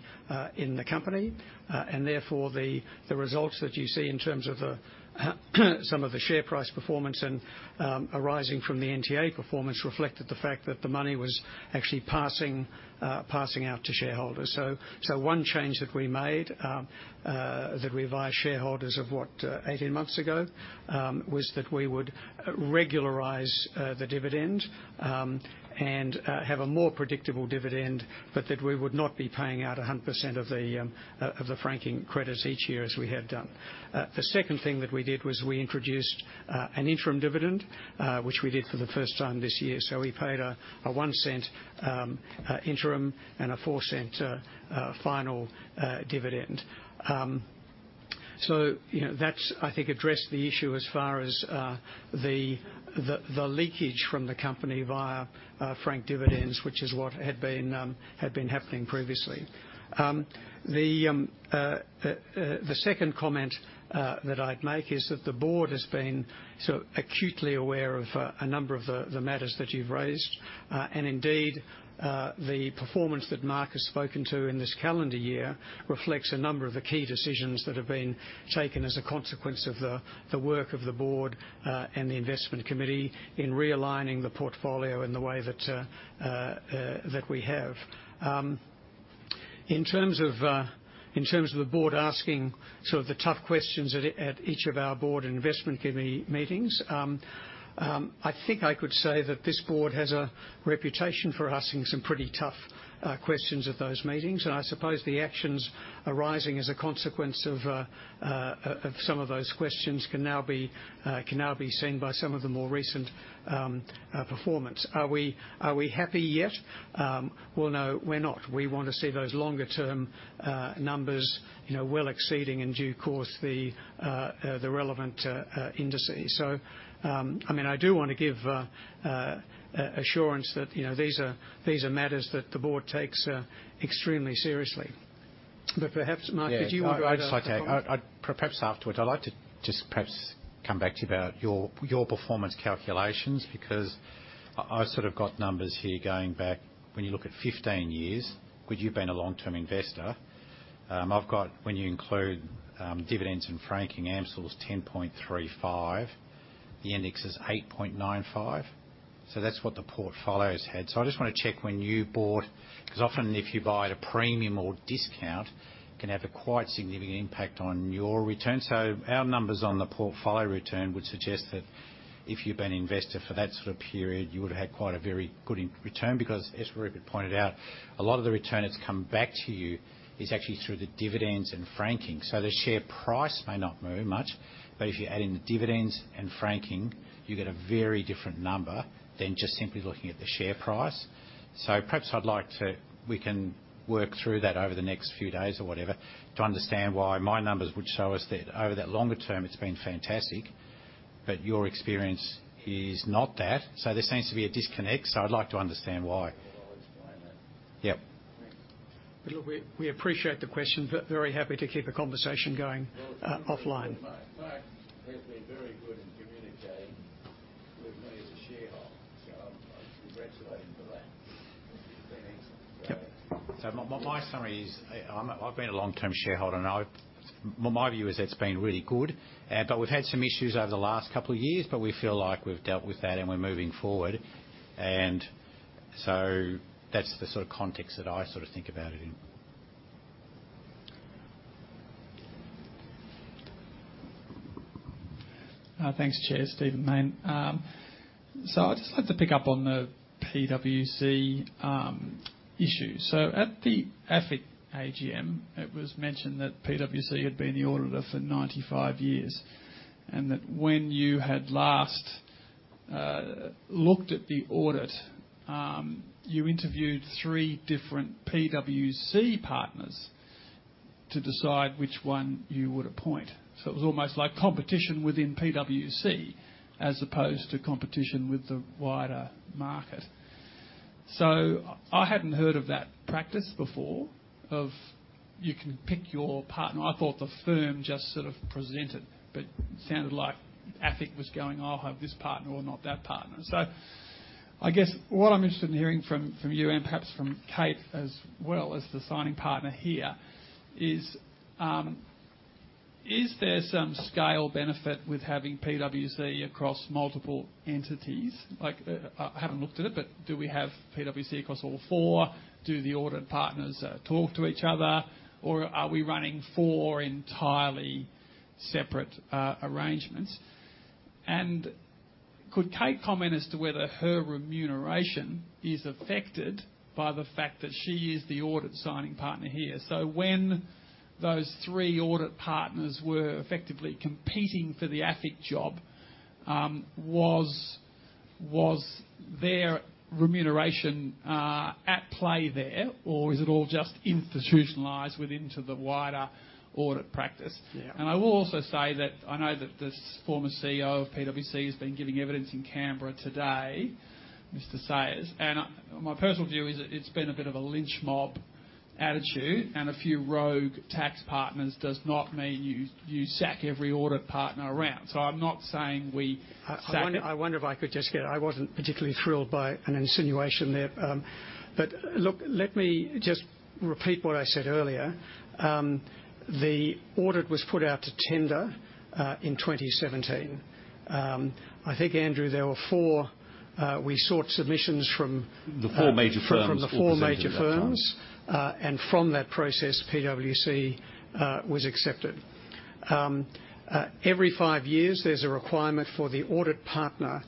in the company, and therefore, the results that you see in terms of some of the share price performance and arising from the NTA performance reflected the fact that the money was actually passing out to shareholders. One change that we made that we advised shareholders of about 18 months ago was that we would regularize the dividend and have a more predictable dividend, but that we would not be paying out 100% of the franking credits each year, as we had done. The second thing that we did was we introduced an interim dividend, which we did for the first time this year. So we paid a 0.01 interim and a 0.04 final dividend. So, you know, that's, I think, addressed the issue as far as the leakage from the company via franked dividends, which is what had been happening previously. The second comment that I'd make is that the Board has been sort of acutely aware of a number of the matters that you've raised. And indeed, the performance that Mark has spoken to in this calendar year reflects a number of the key decisions that have been taken as a consequence of the work of the Board and the investment committee in realigning the portfolio in the way that we have. In terms of the Board asking sort of the tough questions at each of our Board investment committee meetings, I think I could say that this Board has a reputation for asking some pretty tough questions at those meetings, and I suppose the actions arising as a consequence of some of those questions can now be seen by some of the more recent performance. Are we happy yet? Well, no, we're not. We want to see those longer-term numbers, you know, well exceeding, in due course, the relevant indices. So, I mean, I do want to give assurance that, you know, these are matters that the Board takes extremely seriously. Perhaps, Mark, did you want to add a comment? Yeah, I'd just like to. I'd perhaps afterward, I'd like to just perhaps come back to you about your performance calculations, because I've sort of got numbers here going back when you look at 15 years, which you've been a long-term investor. I've got, when you include dividends and franking, AMCIL is 10.35. The index is 8.95, so that's what the portfolio's had. So I just want to check when you bought, because often if you buy at a premium or discount, it can have a quite significant impact on your return. So our numbers on the portfolio return would suggest that if you've been an investor for that sort of period, you would have had quite a very good return because, as Rupert pointed out, a lot of the return that's come back to you is actually through the dividends and franking. So the share price may not move much, but if you add in the dividends and franking, you get a very different number than just simply looking at the share price. So perhaps I'd like to, we can work through that over the next few days or whatever, to understand why my numbers would show us that over that longer term it's been fantastic, but your experience is not that. So there seems to be a disconnect, so I'd like to understand why. Well, I'll explain that. Yep. Look, we appreciate the question, but very happy to keep the conversation going, offline. Well, Mark, Mark has been very good in communicating with me as a shareholder, so I'm, I'm congratulating him for that. It's been excellent. Yep. So my summary is, I've been a long-term shareholder, and I've, my view is it's been really good, but we've had some issues over the last couple of years, but we feel like we've dealt with that, and we're moving forward. And so that's the sort of context that I sort of think about it in. Thanks, Chair. Stephen Mayne. So I'd just like to pick up on the PwC issue. So at the AFIC AGM, it was mentioned that PwC had been the auditor for 95 years, and that when you had last looked at the audit, you interviewed three different PwC partners to decide which one you would appoint. So it was almost like competition within PwC, as opposed to competition with the wider market. So I hadn't heard of that practice before, of you can pick your partner. I thought the firm just sort of presented, but sounded like AFIC was going, "I'll have this partner or not that partner." So I guess what I'm interested in hearing from, from you and perhaps from Kate as well as the signing partner here is, is there some scale benefit with having PwC across multiple entities? Like, I haven't looked at it, but do we have PwC across all four? Do the audit partners talk to each other, or are we running four entirely separate arrangements? And could Kate comment as to whether her remuneration is affected by the fact that she is the audit signing partner here? So when those three audit partners were effectively competing for the AFIC job, was their remuneration at play there, or is it all just institutionalized within to the wider audit practice? Yeah. I will also say that I know that the former CEO of PwC has been giving evidence in Canberra today, Mr. Sayers, and, I, my personal view is that it's been a bit of a lynch mob attitude, and a few rogue tax partners does not mean you, you sack every audit partner around. So I'm not saying we sack- I wonder if I could just get. I wasn't particularly thrilled by an insinuation there. But, look, let me just repeat what I said earlier. The audit was put out to tender in 2017. I think, Andrew, there were four, we sought submissions from. The four major firms. From the four major firms. And from that process, PwC was accepted. Every five years, there's a requirement for the audit partner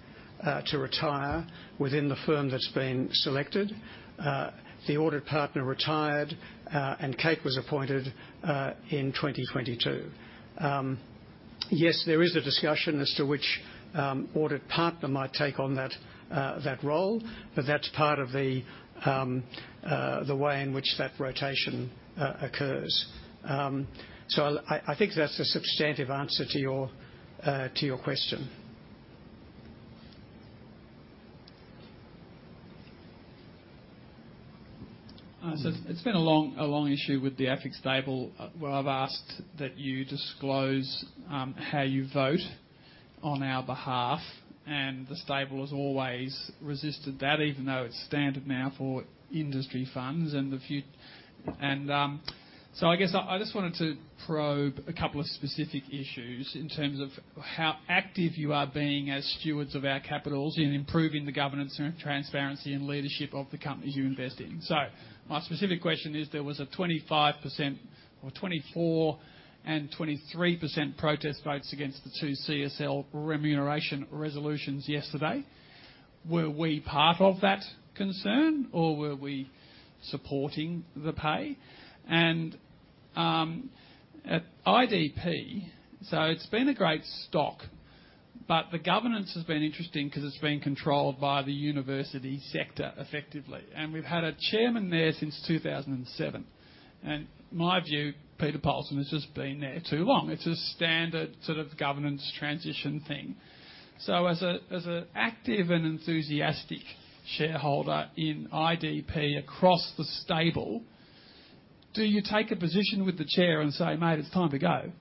to retire within the firm that's been selected. The audit partner retired, and Kate was appointed in 2022. Yes, there is a discussion as to which audit partner might take on that role, but that's part of the way in which that rotation occurs. So I think that's a substantive answer to your question. So it's been a long, a long issue with the AFIC stable, where I've asked that you disclose how you vote on our behalf, and the stable has always resisted that, even though it's standard now for industry funds and a few. So I guess I, I just wanted to probe a couple of specific issues in terms of how active you are being as stewards of our capitals in improving the governance, and transparency, and leadership of the companies you invest in. So my specific question is, there was a 25% or 24% and 23% protest votes against the two CSL remuneration resolutions yesterday. Were we part of that concern, or were we supporting the pay? At IDP, so it's been a great stock, but the governance has been interesting because it's been controlled by the university sector, effectively, and we've had a chairman there since 2007. And my view, Peter Polson has just been there too long. It's a standard sort of governance transition thing. So as an active and enthusiastic shareholder in IDP across the stable, do you take a position with the chair and say, "Mate, it's time to go,"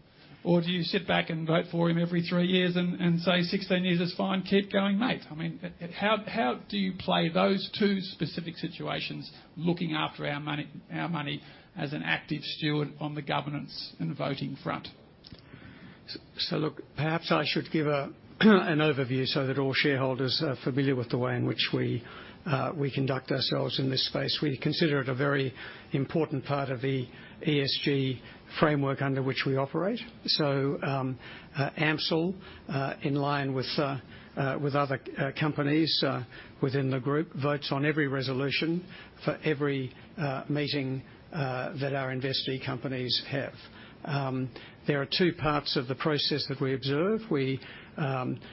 or do you sit back and vote for him every three years and say, "16 years is fine. Keep going, mate?" I mean, how do you play those two specific situations, looking after our money, our money, as an active steward on the governance and the voting front? So look, perhaps I should give an overview so that all shareholders are familiar with the way in which we conduct ourselves in this space. We consider it a very important part of the ESG framework under which we operate. So, AMCIL, in line with other companies within the group, votes on every resolution for every meeting that our investee companies have. There are two parts of the process that we observe. We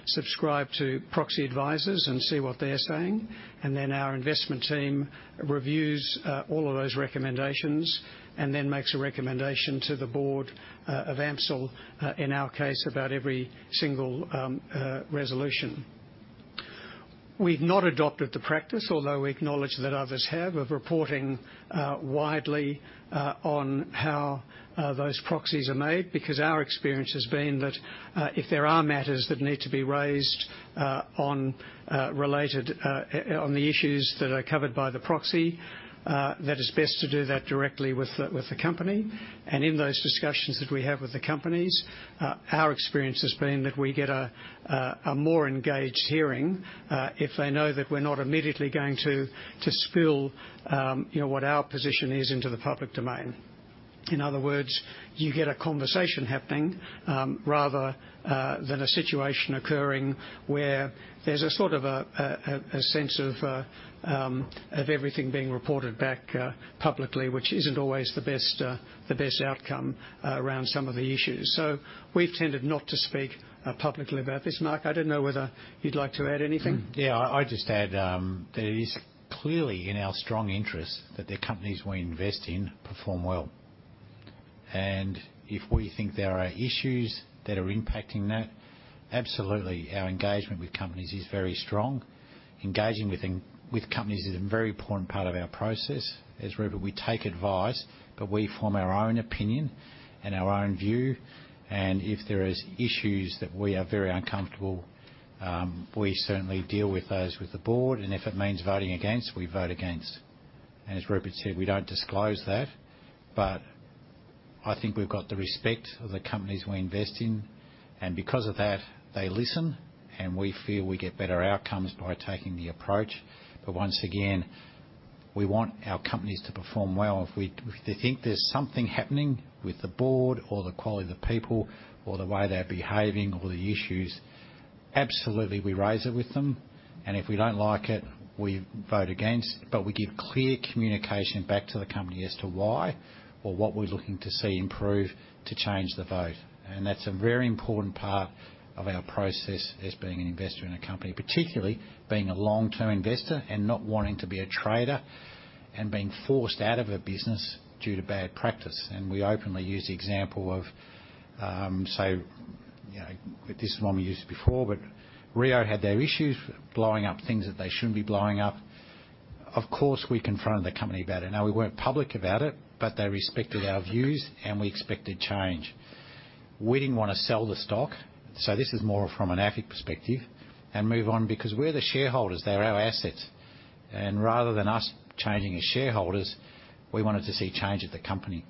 subscribe to proxy advisors and see what they're saying, and then our investment team reviews all of those recommendations, and then makes a recommendation to the Board of AMCIL, in our case, about every single resolution. We've not adopted the practice, although we acknowledge that others have, of reporting widely on how those proxies are made, because our experience has been that if there are matters that need to be raised on the issues that are covered by the proxy, that it's best to do that directly with the company. And in those discussions that we have with the companies, our experience has been that we get a more engaged hearing if they know that we're not immediately going to spill you know what our position is into the public domain. In other words, you get a conversation happening, rather than a situation occurring where there's a sort of sense of everything being reported back publicly, which isn't always the best outcome around some of the issues. So we've tended not to speak publicly about this. Mark, I don't know whether you'd like to add anything? Yeah, I'll just add that it is clearly in our strong interest that the companies we invest in perform well. And if we think there are issues that are impacting that, absolutely, our engagement with companies is very strong. Engaging with them, with companies is a very important part of our process. As Rupert, we take advice, but we form our own opinion and our own view, and if there is issues that we are very uncomfortable, we certainly deal with those with the Board, and if it means voting against, we vote against. And as Rupert said, we don't disclose that, but I think we've got the respect of the companies we invest in, and because of that, they listen, and we feel we get better outcomes by taking the approach. But once again, we want our companies to perform well. If we, if we think there's something happening with the Board, or the quality of the people, or the way they're behaving, or the issues, absolutely, we raise it with them, and if we don't like it, we vote against. But we give clear communication back to the company as to why or what we're looking to see improve, to change the vote. And that's a very important part of our process as being an investor in a company, particularly being a long-term investor and not wanting to be a trader and being forced out of a business due to bad practice. And we openly use the example of, so you know, this is one we used before, but Rio had their issues, blowing up things that they shouldn't be blowing up. Of course, we confronted the company about it. Now, we weren't public about it, but they respected our views, and we expected change. We didn't want to sell the stock, so this is more from an AFIC perspective and move on, because we're the shareholders, they're our assets. And rather than us changing as shareholders, we wanted to see change at the company.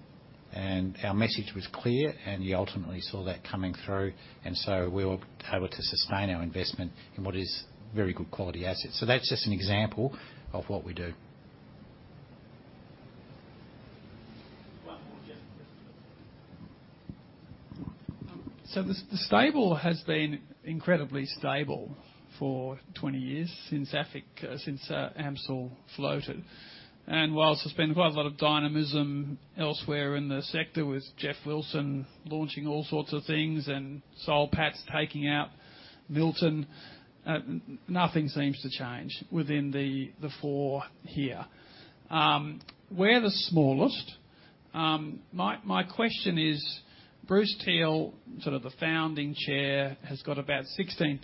And our message was clear, and you ultimately saw that coming through, and so we were able to sustain our investment in what is very good quality assets. So that's just an example of what we do. One more, Geoff. So the stable has been incredibly stable for 20 years since AFIC, since AMCIL floated. And while there's been quite a lot of dynamism elsewhere in the sector, with Geoff Wilson launching all sorts of things and Soul Patts taking out Milton, nothing seems to change within the four here. We're the smallest. My question is, Bruce Teele, sort of the founding chair, has got about 16%,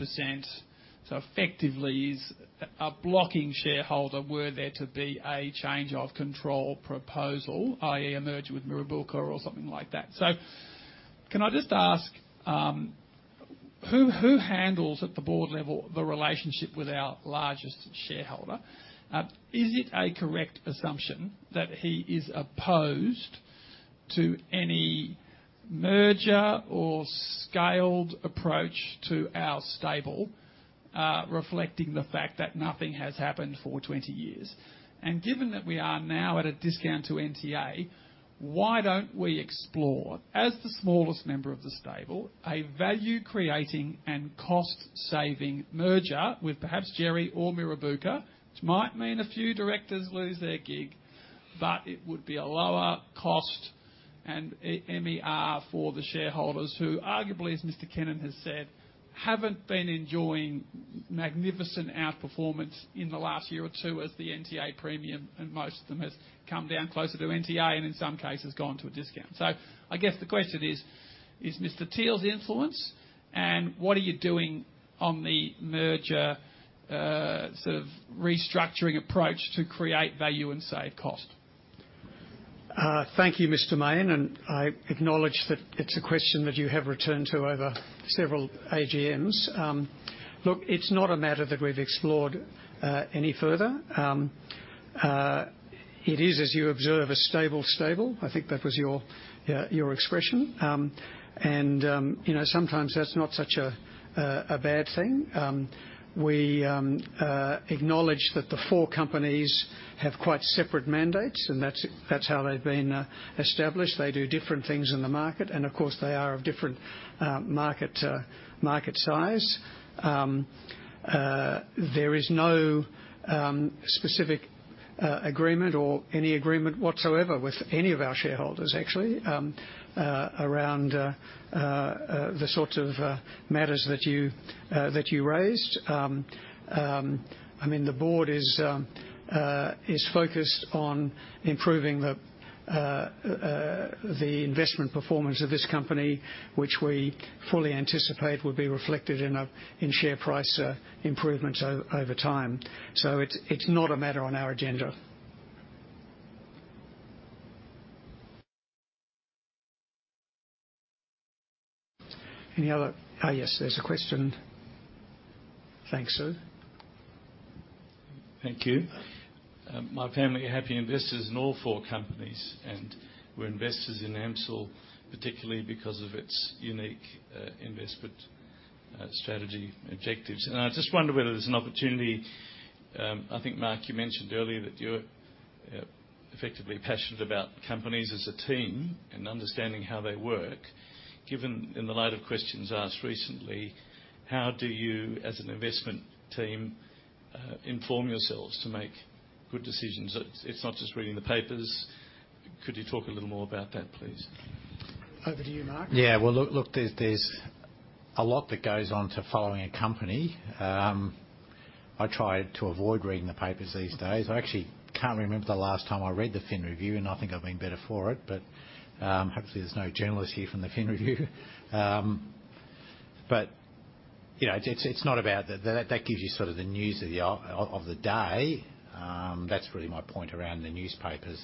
so effectively is a blocking shareholder, were there to be a change of control proposal, i.e., a merger with Mirrabooka or something like that. So can I just ask, who handles at the Board level, the relationship with our largest shareholder? Is it a correct assumption that he is opposed to any merger or scaled approach to our stable, reflecting the fact that nothing has happened for 20 years? And given that we are now at a discount to NTA, why don't we explore, as the smallest member of the stable, a value-creating and cost-saving merger with perhaps Djerriwarrh or Mirrabooka, which might mean a few directors lose their gig, but it would be a lower cost and a MER for the shareholders, who arguably, as Mr. Cannon has said, haven't been enjoying magnificent outperformance in the last year or two as the NTA premium, and most of them has come down closer to NTA and in some cases, gone to a discount. So I guess the question is: Is Mr. Teele's influence, and what are you doing on the merger, sort of restructuring approach to create value and save cost? Thank you, Mr. Mayne, and I acknowledge that it's a question that you have returned to over several AGMs. Look, it's not a matter that we've explored any further. It is, as you observe, a stable, stable. I think that was your expression. You know, sometimes that's not such a bad thing. We acknowledge that the four companies have quite separate mandates, and that's how they've been established. They do different things in the market, and of course, they are of different market size. There is no specific agreement or any agreement whatsoever with any of our shareholders, actually, around the sorts of matters that you raised. I mean, the Board is focused on improving the investment performance of this company, which we fully anticipate will be reflected in share price improvements over time. So it's not a matter on our agenda. Any other? Yes, there's a question. Thanks, sir. Thank you. My family are happy investors in all four companies, and we're investors in AMCIL, particularly because of its unique investment strategy objectives. And I just wonder whether there's an opportunity. I think, Mark, you mentioned earlier that you're effectively passionate about companies as a team and understanding how they work. Given in the light of questions asked recently, how do you, as an investment team, inform yourselves to make good decisions? It's not just reading the papers. Could you talk a little more about that, please? Over to you, Mark. Yeah. Well, look, there's a lot that goes on to following a company. I try to avoid reading the papers these days. I actually can't remember the last time I read the Fin Review, and I think I've been better for it. Hopefully there's no journalists here from the Fin Review. You know, it's not about that. That gives you sort of the news of the day. That's really my point around the newspapers.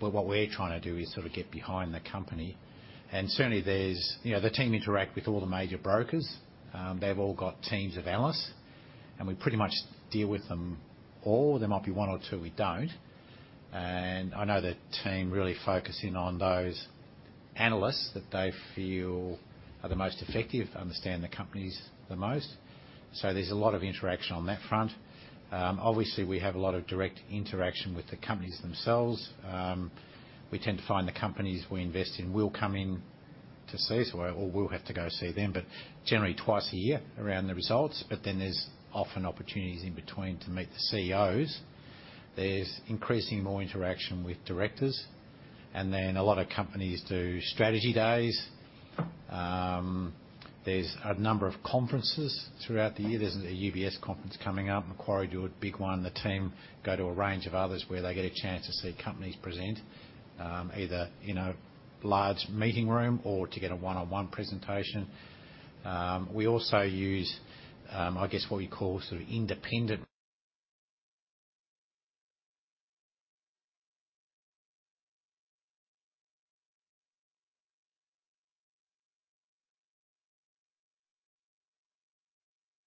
What we're trying to do is sort of get behind the company, and certainly there's, you know, the team interact with all the major brokers. They've all got teams of analysts, and we pretty much deal with them all. There might be one or two we don't. I know the team really focus in on those analysts that they feel are the most effective, understand the companies the most. So there's a lot of interaction on that front. Obviously, we have a lot of direct interaction with the companies themselves. We tend to find the companies we invest in will come in to see us, or we'll have to go see them, but generally twice a year around the results. But then there's often opportunities in between to meet the CEOs. There's increasing more interaction with directors, and then a lot of companies do strategy days. There's a number of conferences throughout the year. There's a UBS conference coming up, Macquarie do a big one. The team go to a range of others where they get a chance to see companies present, either in a large meeting room or to get a one-on-one presentation. We also use, I guess, what we call sort of independent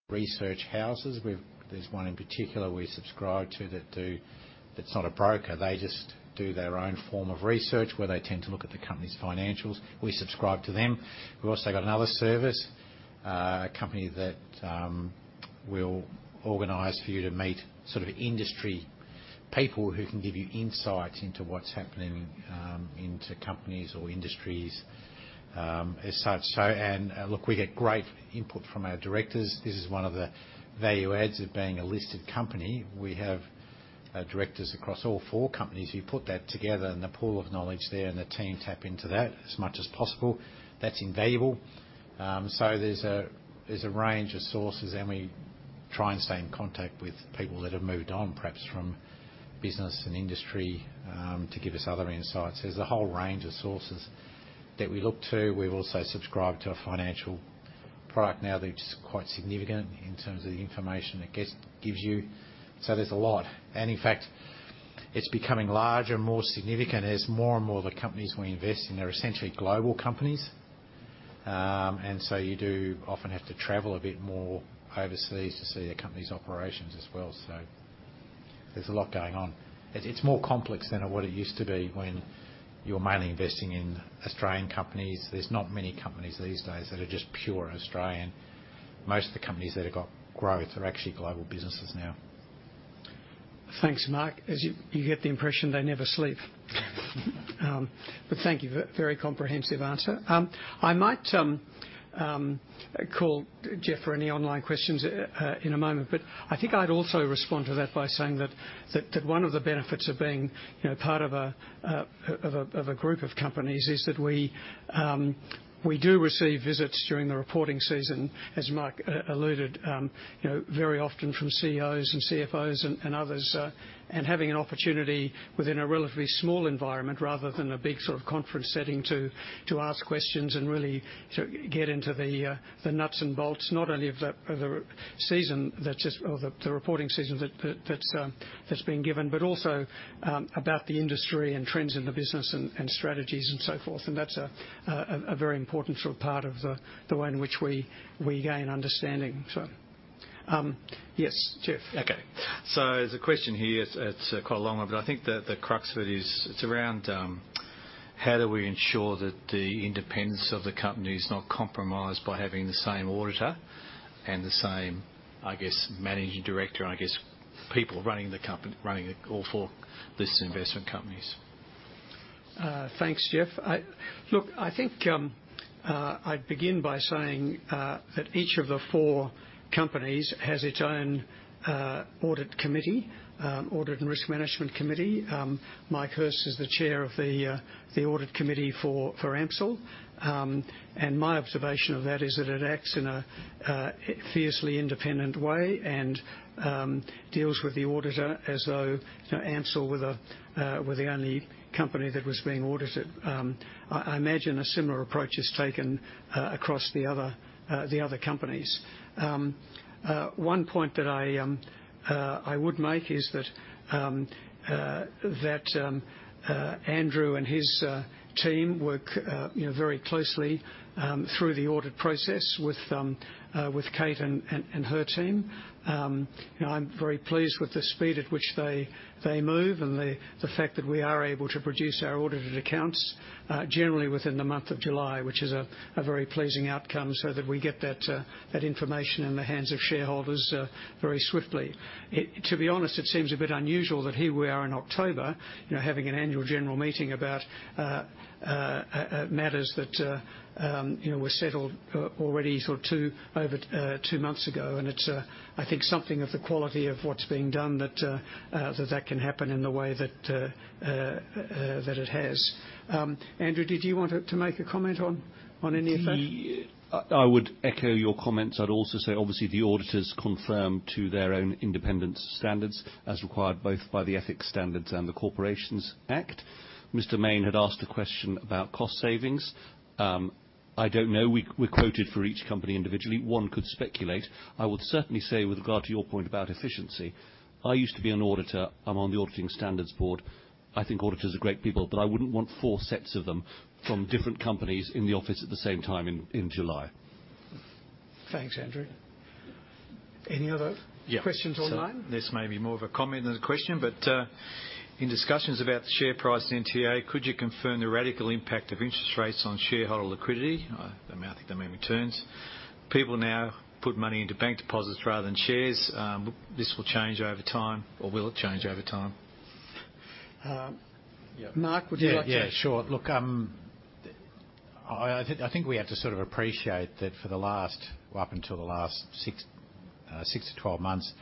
research houses, where there's one in particular we subscribe to that's not a broker. They just do their own form of research, where they tend to look at the company's financials. We subscribe to them. We've also got another service, a company that will organize for you to meet sort of industry people who can give you insight into what's happening into companies or industries, as such. Look, we get great input from our directors. This is one of the value adds of being a listed company. We have directors across all four companies. You put that together, and the pool of knowledge there, and the team tap into that as much as possible. That's invaluable. So there's a range of sources, and we try and stay in contact with people that have moved on, perhaps from business and industry, to give us other insights. There's a whole range of sources that we look to. We've also subscribed to a financial product now that's quite significant in terms of the information it gets, gives you. So there's a lot, and in fact, it's becoming larger and more significant as more and more of the companies we invest in are essentially global companies. And so you do often have to travel a bit more overseas to see a company's operations as well, so there's a lot going on. It's more complex than what it used to be when you were mainly investing in Australian companies. There's not many companies these days that are just pure Australian. Most of the companies that have got growth are actually global businesses now. Thanks, Mark. As you get the impression they never sleep. But thank you for a very comprehensive answer. I might call Geoff for any online questions in a moment, but I think I'd also respond to that by saying that one of the benefits of being, you know, part of a group of companies is that we do receive visits during the reporting season, as Mark alluded, you know, very often from CEOs and CFOs and others. And having an opportunity within a relatively small environment, rather than a big sort of conference setting, to ask questions and really to get into the nuts and bolts, not only of the season that's just, or the reporting season that's being given, but also about the industry and trends in the business and strategies and so forth. And that's a very important sort of part of the way in which we gain understanding. So, yes, Geoff. Okay. So there's a question here. It's, it's quite a long one, but I think the, the crux of it is, it's around, how do we ensure that the independence of the company is not compromised by having the same auditor and the same, I guess, managing director, and I guess, people running the company, running all four listed investment companies? Thanks, Geoff. I think I'd begin by saying that each of the four companies has its own audit committee, audit and risk management committee. Mike Hirst is the chair of the audit committee for AMCIL. My observation of that is that it acts in a fiercely independent way and deals with the auditor as though, you know, AMCIL were the only company that was being audited. I imagine a similar approach is taken across the other companies. One point that I would make is that Andrew and his team work, you know, very closely through the audit process with Kate and her team. You know, I'm very pleased with the speed at which they move and the fact that we are able to produce our audited accounts generally within the month of July, which is a very pleasing outcome, so that we get that information in the hands of shareholders very swiftly. To be honest, it seems a bit unusual that here we are in October, you know, having an annual general meeting about matters that, you know, were settled already sort of over two months ago. It's, I think, something of the quality of what's being done that can happen in the way that it has. Andrew, did you want to make a comment on any of that? The, I would echo your comments. I'd also say, obviously, the auditors confirm to their own independent standards, as required both by the Ethics Standards and the Corporations Act. Mr. Mayne had asked a question about cost savings. I don't know. We quoted for each company individually. One could speculate. I would certainly say, with regard to your point about efficiency, I used to be an auditor. I'm on the Auditing Standards Board. I think auditors are great people, but I wouldn't want four sets of them from different companies in the office at the same time in July. Thanks, Andrew. Any other. Yeah. Questions online? This may be more of a comment than a question, but, in discussions about the share price NTA, could you confirm the radical impact of interest rates on shareholder liquidity? I think they may return. People now put money into bank deposits rather than shares. This will change over time, or will it change over time? Um. Yeah. Mark, would you like to. Yeah, yeah, sure. Look, I think we have to sort of appreciate that for the last, up until the last six to twelve months,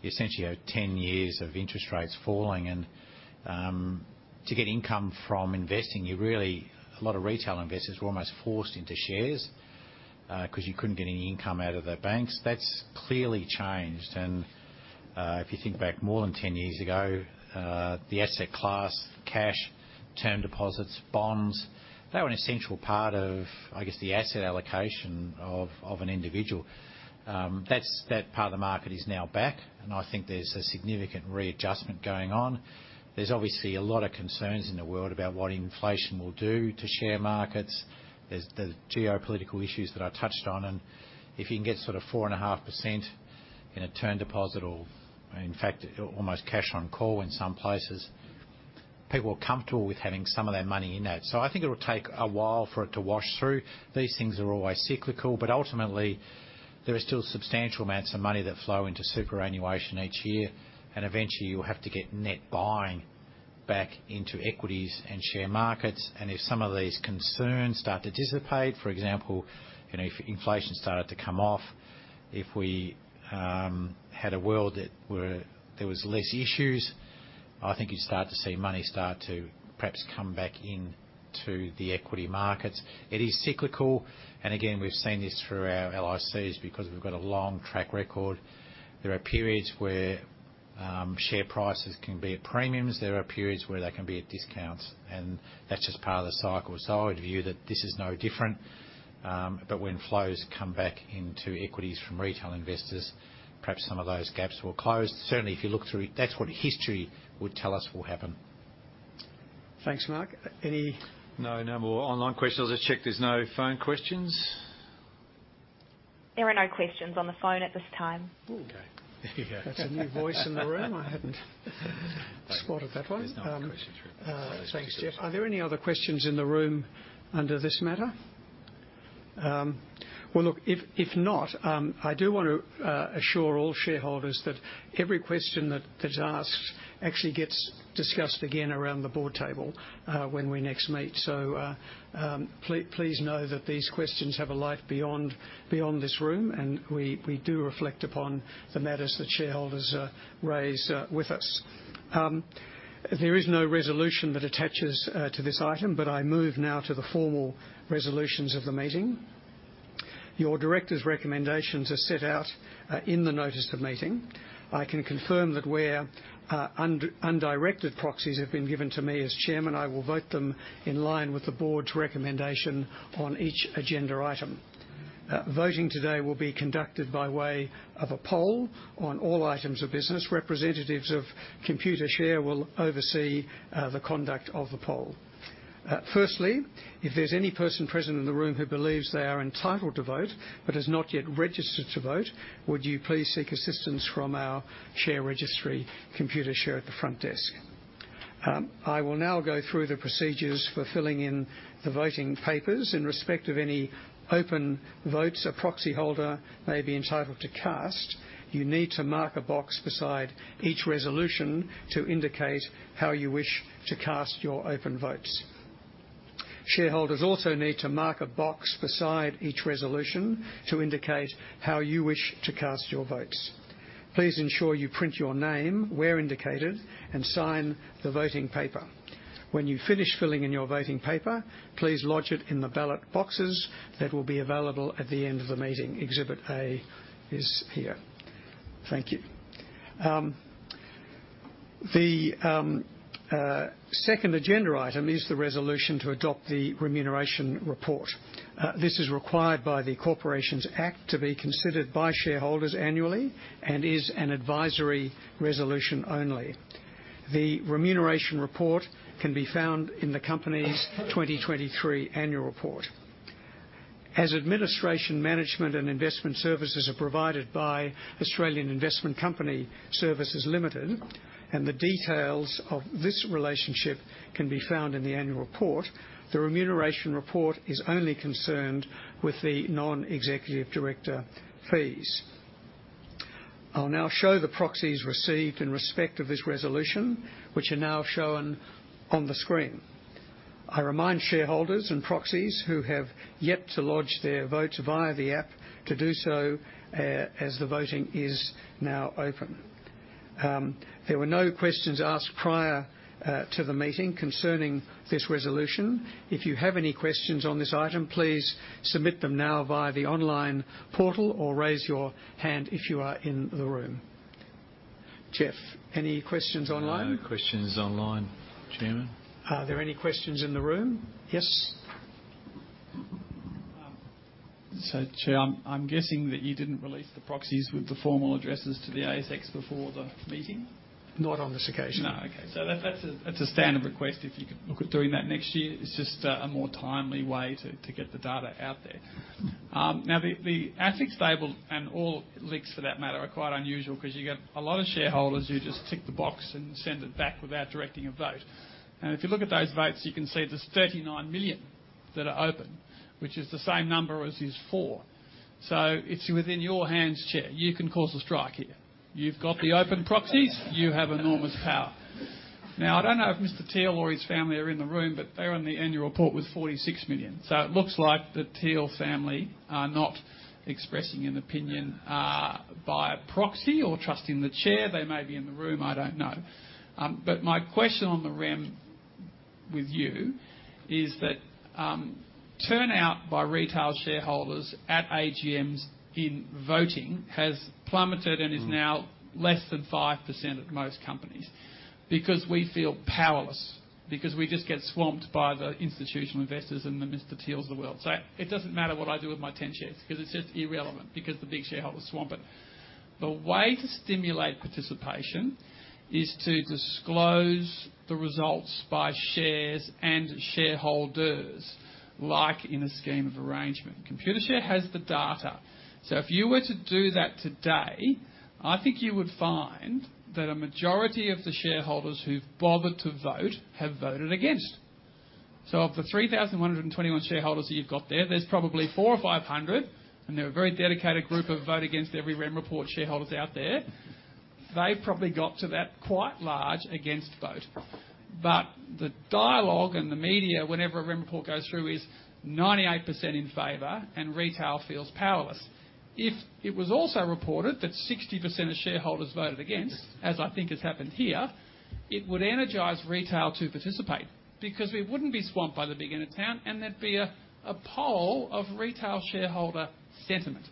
you essentially had 10 years of interest rates falling. And, to get income from investing, you really, a lot of retail investors were almost forced into shares, because you couldn't get any income out of the banks. That's clearly changed. And, if you think back more than 10 years ago, the asset class, cash, term deposits, bonds, they were an essential part of, I guess, the asset allocation of an individual. That's, that part of the market is now back, and I think there's a significant readjustment going on. There's obviously a lot of concerns in the world about what inflation will do to share markets. There's the geopolitical issues that I touched on, and if you can get sort of 4.5% in a term deposit, or in fact, almost cash on call in some places, people are comfortable with having some of their money in that. So I think it'll take a while for it to wash through. These things are always cyclical, but ultimately, there are still substantial amounts of money that flow into superannuation each year, and eventually, you'll have to get net buying back into equities and share markets. And if some of these concerns start to dissipate, for example, you know, if inflation started to come off, if we had a world that where there was less issues, I think you'd start to see money start to perhaps come back into the equity markets. It is cyclical, and again, we've seen this through our LICs because we've got a long track record. There are periods where share prices can be at premiums. There are periods where they can be at discounts, and that's just part of the cycle. So I'd view that this is no different. But when flows come back into equities from retail investors, perhaps some of those gaps will close. Certainly, if you look through, that's what history would tell us will happen. Thanks, Mark. Any. No, no more online questions. I'll just check there's no phone questions. There are no questions on the phone at this time. Ooh! Okay. That's a new voice in the room. I hadn't spotted that one. There's no questions from. Thanks, Geoff. Are there any other questions in the room under this matter? Well, look, if not, I do want to assure all shareholders that every question that's asked actually gets discussed again around the Board table when we next meet. So, please know that these questions have a life beyond this room, and we do reflect upon the matters that shareholders raise with us. There is no resolution that attaches to this item, but I move now to the formal resolutions of the meeting. Your directors' recommendations are set out in the notice of meeting. I can confirm that where undirected proxies have been given to me as chairman, I will vote them in line with the Board's recommendation on each agenda item. Voting today will be conducted by way of a poll on all items of business. Representatives of Computershare will oversee the conduct of the poll. Firstly, if there's any person present in the room who believes they are entitled to vote but has not yet registered to vote, would you please seek assistance from our share registry, Computershare, at the front desk? I will now go through the procedures for filling in the voting papers. In respect of any open votes a proxyholder may be entitled to cast, you need to mark a box beside each resolution to indicate how you wish to cast your open votes. Shareholders also need to mark a box beside each resolution to indicate how you wish to cast your votes. Please ensure you print your name where indicated and sign the voting paper. When you finish filling in your voting paper, please lodge it in the ballot boxes that will be available at the end of the meeting. Exhibit A is here. Thank you. The second agenda item is the resolution to adopt the remuneration report. This is required by the Corporations Act to be considered by shareholders annually and is an advisory resolution only. The remuneration report can be found in the company's 2023 annual report. As administration, management, and investment services are provided by Australian Investment Company Services Limited, and the details of this relationship can be found in the annual report, the remuneration report is only concerned with the non-executive director fees. I'll now show the proxies received in respect of this resolution, which are now shown on the screen. I remind shareholders and proxies who have yet to lodge their votes via the app to do so, as the voting is now open. There were no questions asked prior to the meeting concerning this resolution. If you have any questions on this item, please submit them now via the online portal, or raise your hand if you are in the room. Geoff, any questions online? No questions online, Chairman. Are there any questions in the room? Yes. So, Chair, I'm guessing that you didn't release the proxies with the formal addresses to the ASX before the meeting? Not on this occasion. No. Okay. That, that's a standard request, if you could look at doing that next year. It's just a more timely way to get the data out there. Now, the ASX table, and all leaks for that matter, are quite unusual because you get a lot of shareholders who just tick the box and send it back without directing a vote. If you look at those votes, you can see there's 39 million that are open, which is the same number as is for. It's within your hands, Chair. You can cause a strike here. You've got the open proxies. You have enormous power. I don't know if Mr. Teele or his family are in the room, but they're on the annual report with 46 million. So it looks like the Teele family are not expressing an opinion via proxy or trusting the chair. They may be in the room, I don't know. But my question on the REM with you is that turnout by retail shareholders at AGMs in voting has plummeted. Mm. Is now less than 5% at most companies because we feel powerless, because we just get swamped by the institutional investors and the Mr. Teeles of the world. So it doesn't matter what I do with my 10 shares, because it's just irrelevant, because the big shareholders swamp it. The way to stimulate participation is to disclose the results by shares and shareholders, like in a scheme of arrangement. Computershare has the data, so if you were to do that today, I think you would find that a majority of the shareholders who've bothered to vote have voted against. So of the 3,121 shareholders that you've got there, there's probably 400 or 500, and they're a very dedicated group of vote against every REM report shareholders out there. They've probably got to that quite large against vote. But the dialogue and the media, whenever a REM report goes through, is 98% in favor, and retail feels powerless. If it was also reported that 60% of shareholders voted against, as I think has happened here, it would energize retail to participate because we wouldn't be swamped by the big end of town, and there'd be a, a poll of retail shareholder sentiment.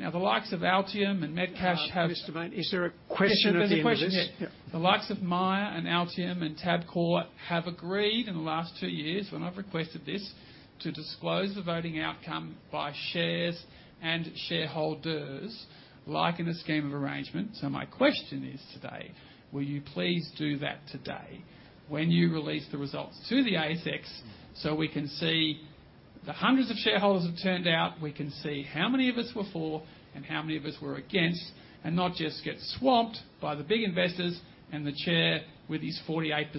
Now, the likes of Altium and Medibank have. Mr. Mayne, is there a question at the end of this? Yes, there's a question, yes. Yeah. The likes of Myer and Altium and Tabcorp have agreed in the last two years, when I've requested this, to disclose the voting outcome by shares and shareholders, like in a scheme of arrangement. So my question is today, will you please do that today when you release the results to the ASX, so we can see the hundreds of shareholders who turned out, we can see how many of us were for and how many of us were against, and not just get swamped by the big investors and the chair with these 48%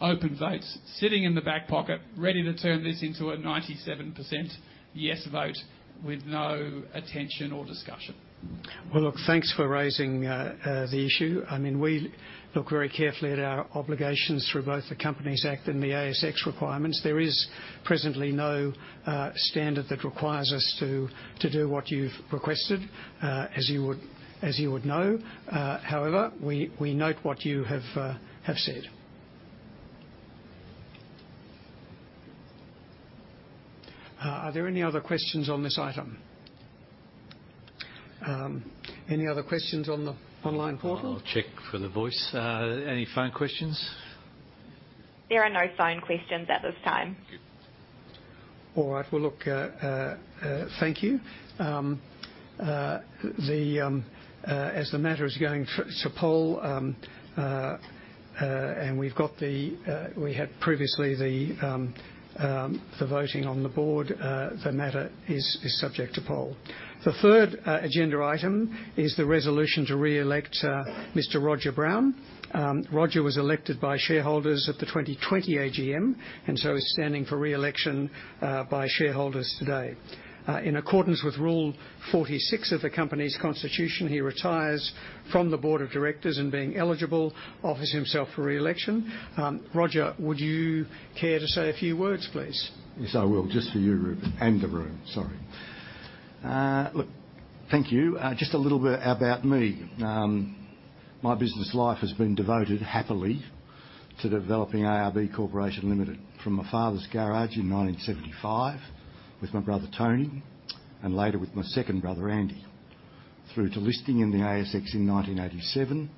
open votes sitting in the back pocket, ready to turn this into a 97% yes vote with no attention or discussion? Well, look, thanks for raising the issue. I mean, we look very carefully at our obligations through both the Companies Act and the ASX requirements. There is presently no standard that requires us to do what you've requested, as you would know. However, we note what you have said. Are there any other questions on this item? Any other questions on the online portal? I'll check for the voice. Any phone questions? There are no phone questions at this time. Thank you. All right. Well, look, thank you. As the matter is going to poll, and we've got the, we had previously the voting on the Board, the matter is subject to poll. The third agenda item is the resolution to reelect Mr. Roger Brown. Roger was elected by shareholders at the 2020 AGM, and so is standing for reelection by shareholders today. In accordance with Rule 46 of the company's constitution, he retires from the Board of Directors and, being eligible, offers himself for reelection. Roger, would you care to say a few words, please? Yes, I will. Just for you, Rupert, and the room, sorry. Look, thank you. Just a little bit about me. My business life has been devoted happily to developing ARB Corporation Limited from my father's garage in 1975 with my brother Tony, and later with my second brother, Andy. Through to listing in the ASX in 1987,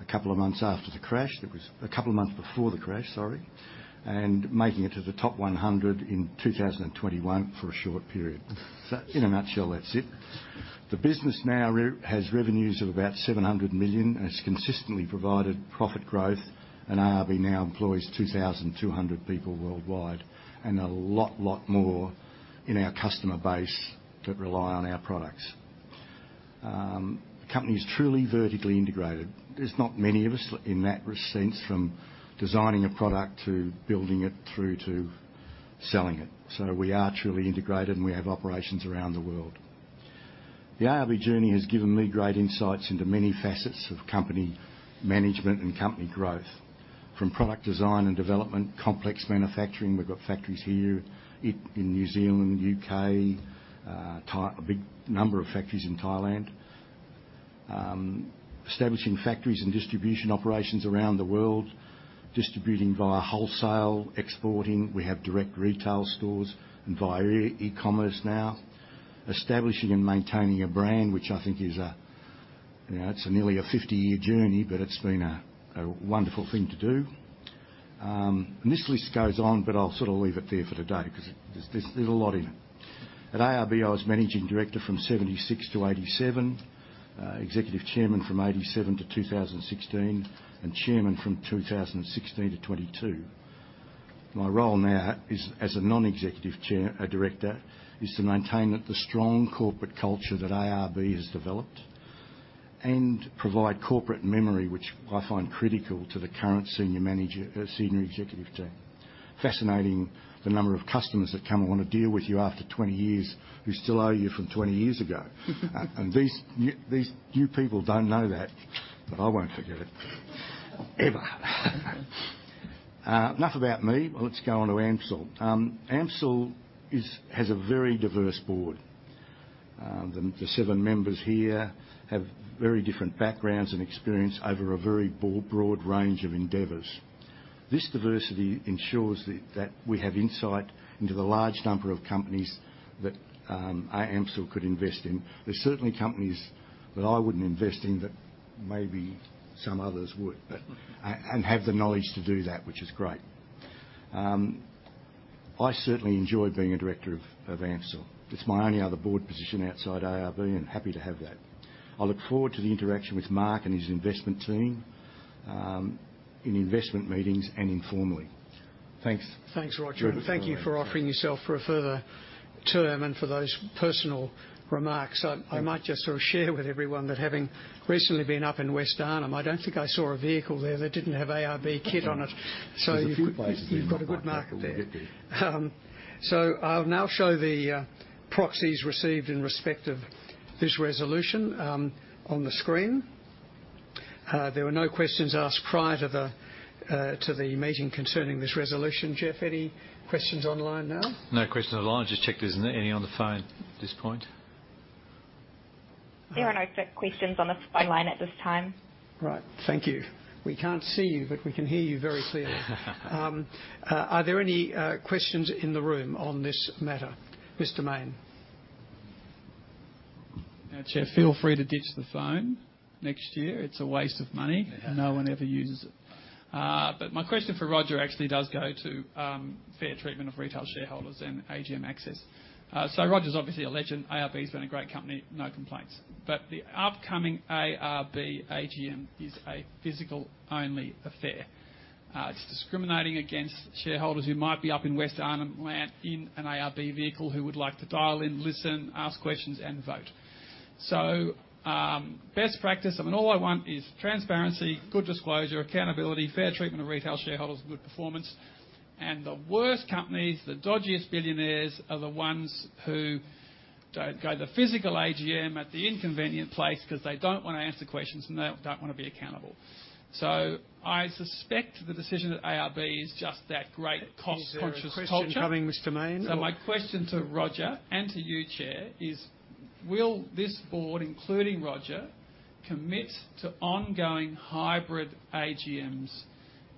a couple of months after the crash. It was a couple of months before the crash, sorry, and making it to the top 100 in 2021 for a short period. In a nutshell, that's it. The business now has revenues of about 700 million and has consistently provided profit growth, and ARB now employs 2,200 people worldwide, and a lot, lot more in our customer base that rely on our products. The company is truly vertically integrated. There's not many of us in that sense, from designing a product to building it, through to selling it. So we are truly integrated, and we have operations around the world. The ARB journey has given me great insights into many facets of company management and company growth, from product design and development, complex manufacturing. We've got factories here, in New Zealand, U.K., a big number of factories in Thailand. Establishing factories and distribution operations around the world, distributing via wholesale, exporting. We have direct retail stores and via e-commerce now. Establishing and maintaining a brand, which I think is a, you know, it's nearly a 50-year journey, but it's been a wonderful thing to do. And this list goes on, but I'll sort of leave it there for today because there's a lot in it. At ARB, I was managing director from 1976 to 1987, executive chairman from 1987 to 2016, and chairman from 2016 to 2022. My role now as a non-executive chair, director, is to maintain the strong corporate culture that ARB has developed and provide corporate memory, which I find critical to the current senior manager, senior executive team. Fascinating, the number of customers that come and want to deal with you after 20 years, who still owe you from 20 years ago. These new people don't know that, but I won't forget it, ever. Enough about me. Let's go on to AMCIL. AMCIL has a very diverse Board. The seven members here have very different backgrounds and experience over a very broad, broad range of endeavors. This diversity ensures that we have insight into the large number of companies that AMCIL could invest in. There's certainly companies that I wouldn't invest in that maybe some others would, but have the knowledge to do that, which is great. I certainly enjoy being a director of AMCIL. It's my only other Board position outside ARB, and happy to have that. I look forward to the interaction with Mark and his investment team in investment meetings and informally. Thanks. Thanks, Roger. You're welcome. Thank you for offering yourself for a further term and for those personal remarks. I might just sort of share with everyone that having recently been up in West Arnhem, I don't think I saw a vehicle there that didn't have ARB kit on it. There's a few places. So you've got a good market there. So I'll now show the proxies received in respect of this resolution on the screen. There were no questions asked prior to the meeting concerning this resolution. Geoff, any questions online now? No questions online. Just checking if there's any on the phone at this point. There are no questions on the phone line at this time. Right. Thank you. We can't see you, but we can hear you very clearly. Are there any questions in the room on this matter? Mr. Mayne. Now, Chair, feel free to ditch the phone next year. It's a waste of money. No one ever uses it. My question for Roger actually does go to fair treatment of retail shareholders and AGM access. Roger's obviously a legend. ARB's been a great company, no complaints. The upcoming ARB AGM is a physical-only affair. It's discriminating against shareholders who might be up in West Arnhem Land in an ARB vehicle who would like to dial in, listen, ask questions, and vote. Best practice, I mean, all I want is transparency, good disclosure, accountability, fair treatment of retail shareholders, and good performance. The worst companies, the dodgiest billionaires, are the ones who don't go to the physical AGM at the inconvenient place because they don't want to answer questions, and they don't want to be accountable. I suspect the decision at ARB is just that great cost-conscious culture. Is there a question coming, Mr. Mayne? So my question to Roger, and to you, Chair, is: Will this Board, including Roger, commit to ongoing hybrid AGMs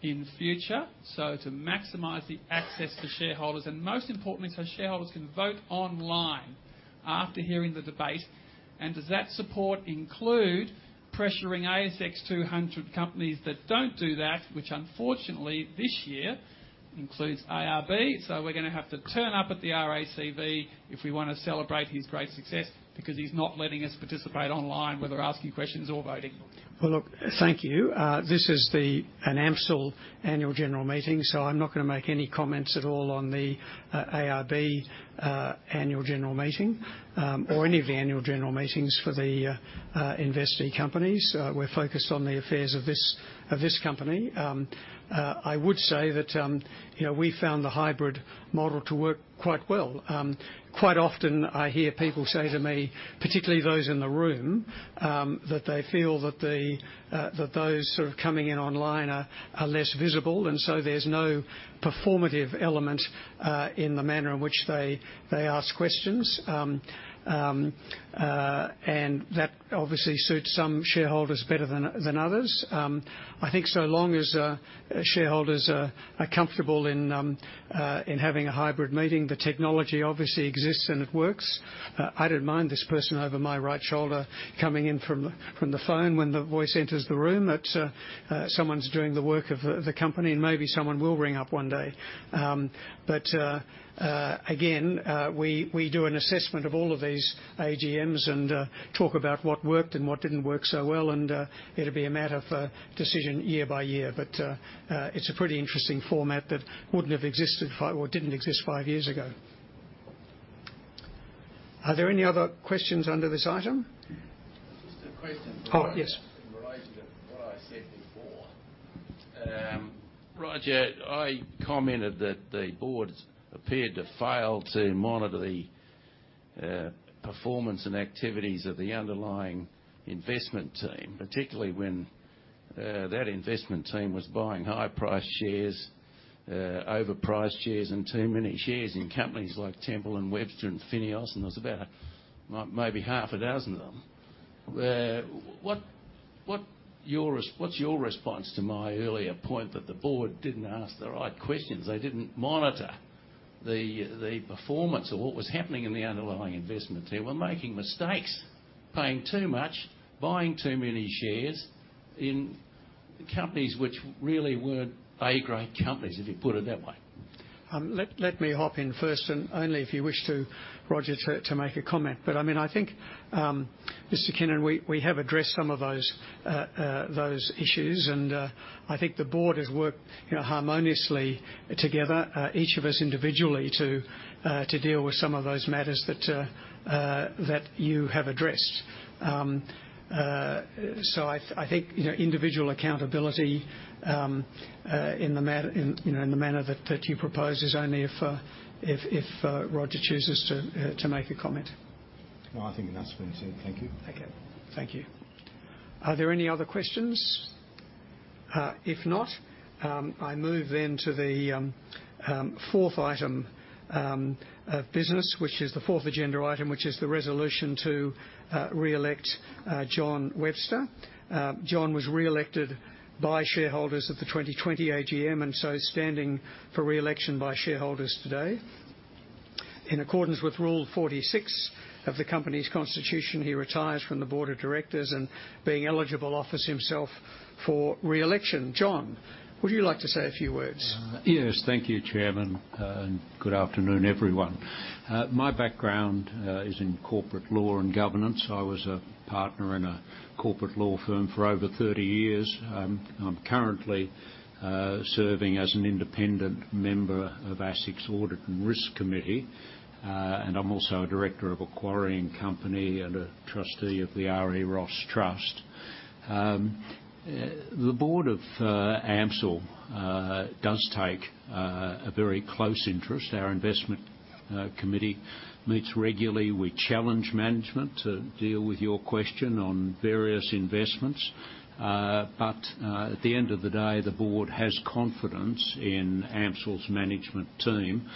in the future, so to maximize the access to shareholders, and most importantly, so shareholders can vote online after hearing the debate? And does that support include pressuring ASX 200 companies that don't do that, which unfortunately, this year, includes ARB? So we're gonna have to turn up at the RACV if we want to celebrate his great success, because he's not letting us participate online, whether asking questions or voting. Well, look, thank you. This is the AMCIL Annual General Meeting, so I'm not going to make any comments at all on the ARB Annual General Meeting or any of the annual general meetings for the investee companies. We're focused on the affairs of this company. I would say that, you know, we found the hybrid model to work quite well. Quite often, I hear people say to me, particularly those in the room, that they feel that those sort of coming in online are less visible, and so there's no performative element in the manner in which they ask questions. That obviously suits some shareholders better than others. I think so long as shareholders are comfortable in having a hybrid meeting, the technology obviously exists and it works. I don't mind this person over my right shoulder coming in from the phone when the voice enters the room. It's someone's doing the work of the company, and maybe someone will ring up one day. But again, we do an assessment of all of these AGMs and talk about what worked and what didn't work so well, and it'll be a matter of decision year by year. But it's a pretty interesting format that wouldn't have existed five, or didn't exist five years ago. Are there any other questions under this item? Just a question. Oh, yes. I said before. Roger, I commented that the Board appeared to fail to monitor the performance and activities of the underlying investment team, particularly when that investment team was buying high-priced shares, overpriced shares, and too many shares in companies like Temple & Webster and FINEOS, and there was about, maybe half a dozen of them. What’s your response to my earlier point that the Board didn't ask the right questions? They didn't monitor the performance or what was happening in the underlying investment team. We're making mistakes, paying too much, buying too many shares in companies which really weren't A-grade companies, if you put it that way. Let me hop in first, and only if you wish to, Roger, to make a comment. But, I mean, I think, Mr. Cannon, we have addressed some of those issues, and I think the Board has worked, you know, harmoniously together, each of us individually, to deal with some of those matters that you have addressed. So I think, you know, individual accountability in the manner that you propose is only if, if Roger chooses to make a comment. Well, I think that's been said. Thank you. Okay. Thank you. Are there any other questions? If not, I move then to the fourth item of business, which is the fourth agenda item, which is the resolution to re-elect Jon Webster. Jon was re-elected by shareholders at the 2020 AGM, and so standing for re-election by shareholders today. In accordance with Rule 46 of the company's constitution, he retires from the Board of Directors and, being eligible, offers himself for re-election. Jon, would you like to say a few words? Yes, thank you, Chairman, and good afternoon, everyone. My background is in corporate law and governance. I was a partner in a corporate law firm for over 30 years. I'm currently serving as an independent member of ASIC's Audit and Risk Committee, and I'm also a director of a quarrying company and a trustee of the R.E. Ross Trust. The Board of AMCIL does take a very close interest. Our investment committee meets regularly. We challenge management to deal with your question on various investments. But at the end of the day, the Board has confidence in AMCIL's management team,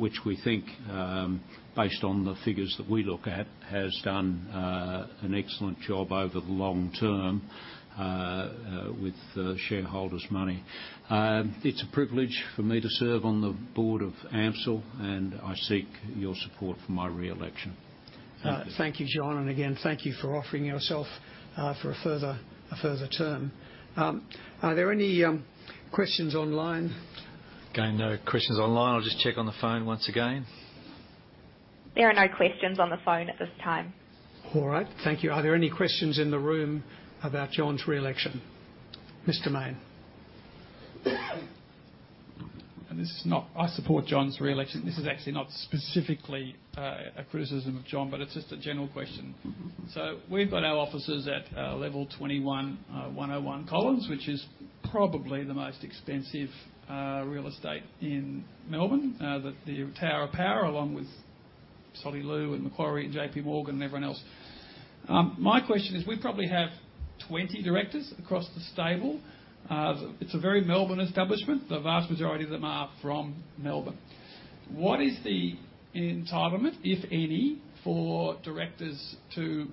which we think, based on the figures that we look at, has done an excellent job over the long term, with the shareholders' money. It's a privilege for me to serve on the Board of AMCIL, and I seek your support for my re-election. Thank you, Jon, and again, thank you for offering yourself for a further, a further term. Are there any questions online? Again, no questions online. I'll just check on the phone once again. There are no questions on the phone at this time. All right. Thank you. Are there any questions in the room about Jon's re-election? Mr. Mayne. This is not, I support Jon's re-election. This is actually not specifically a criticism of Jon, but it's just a general question. Mm-hmm. We've got our offices at level 21, 101 Collins, which is probably the most expensive real estate in Melbourne. The Tower of Power, along with Solly Lew and Macquarie and JPMorgan and everyone else. My question is, we probably have 20 directors across the stable. It's a very Melbourne establishment. The vast majority of them are from Melbourne. What is the entitlement, if any, for directors to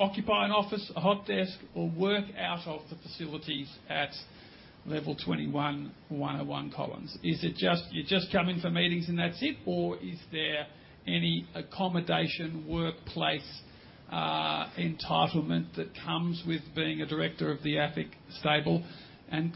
occupy an office, a hot desk, or work out of the facilities at level 21, 101 Collins? Is it just, you just come in for meetings, and that's it, or is there any accommodation, workplace entitlement that comes with being a director of the AFIC stable?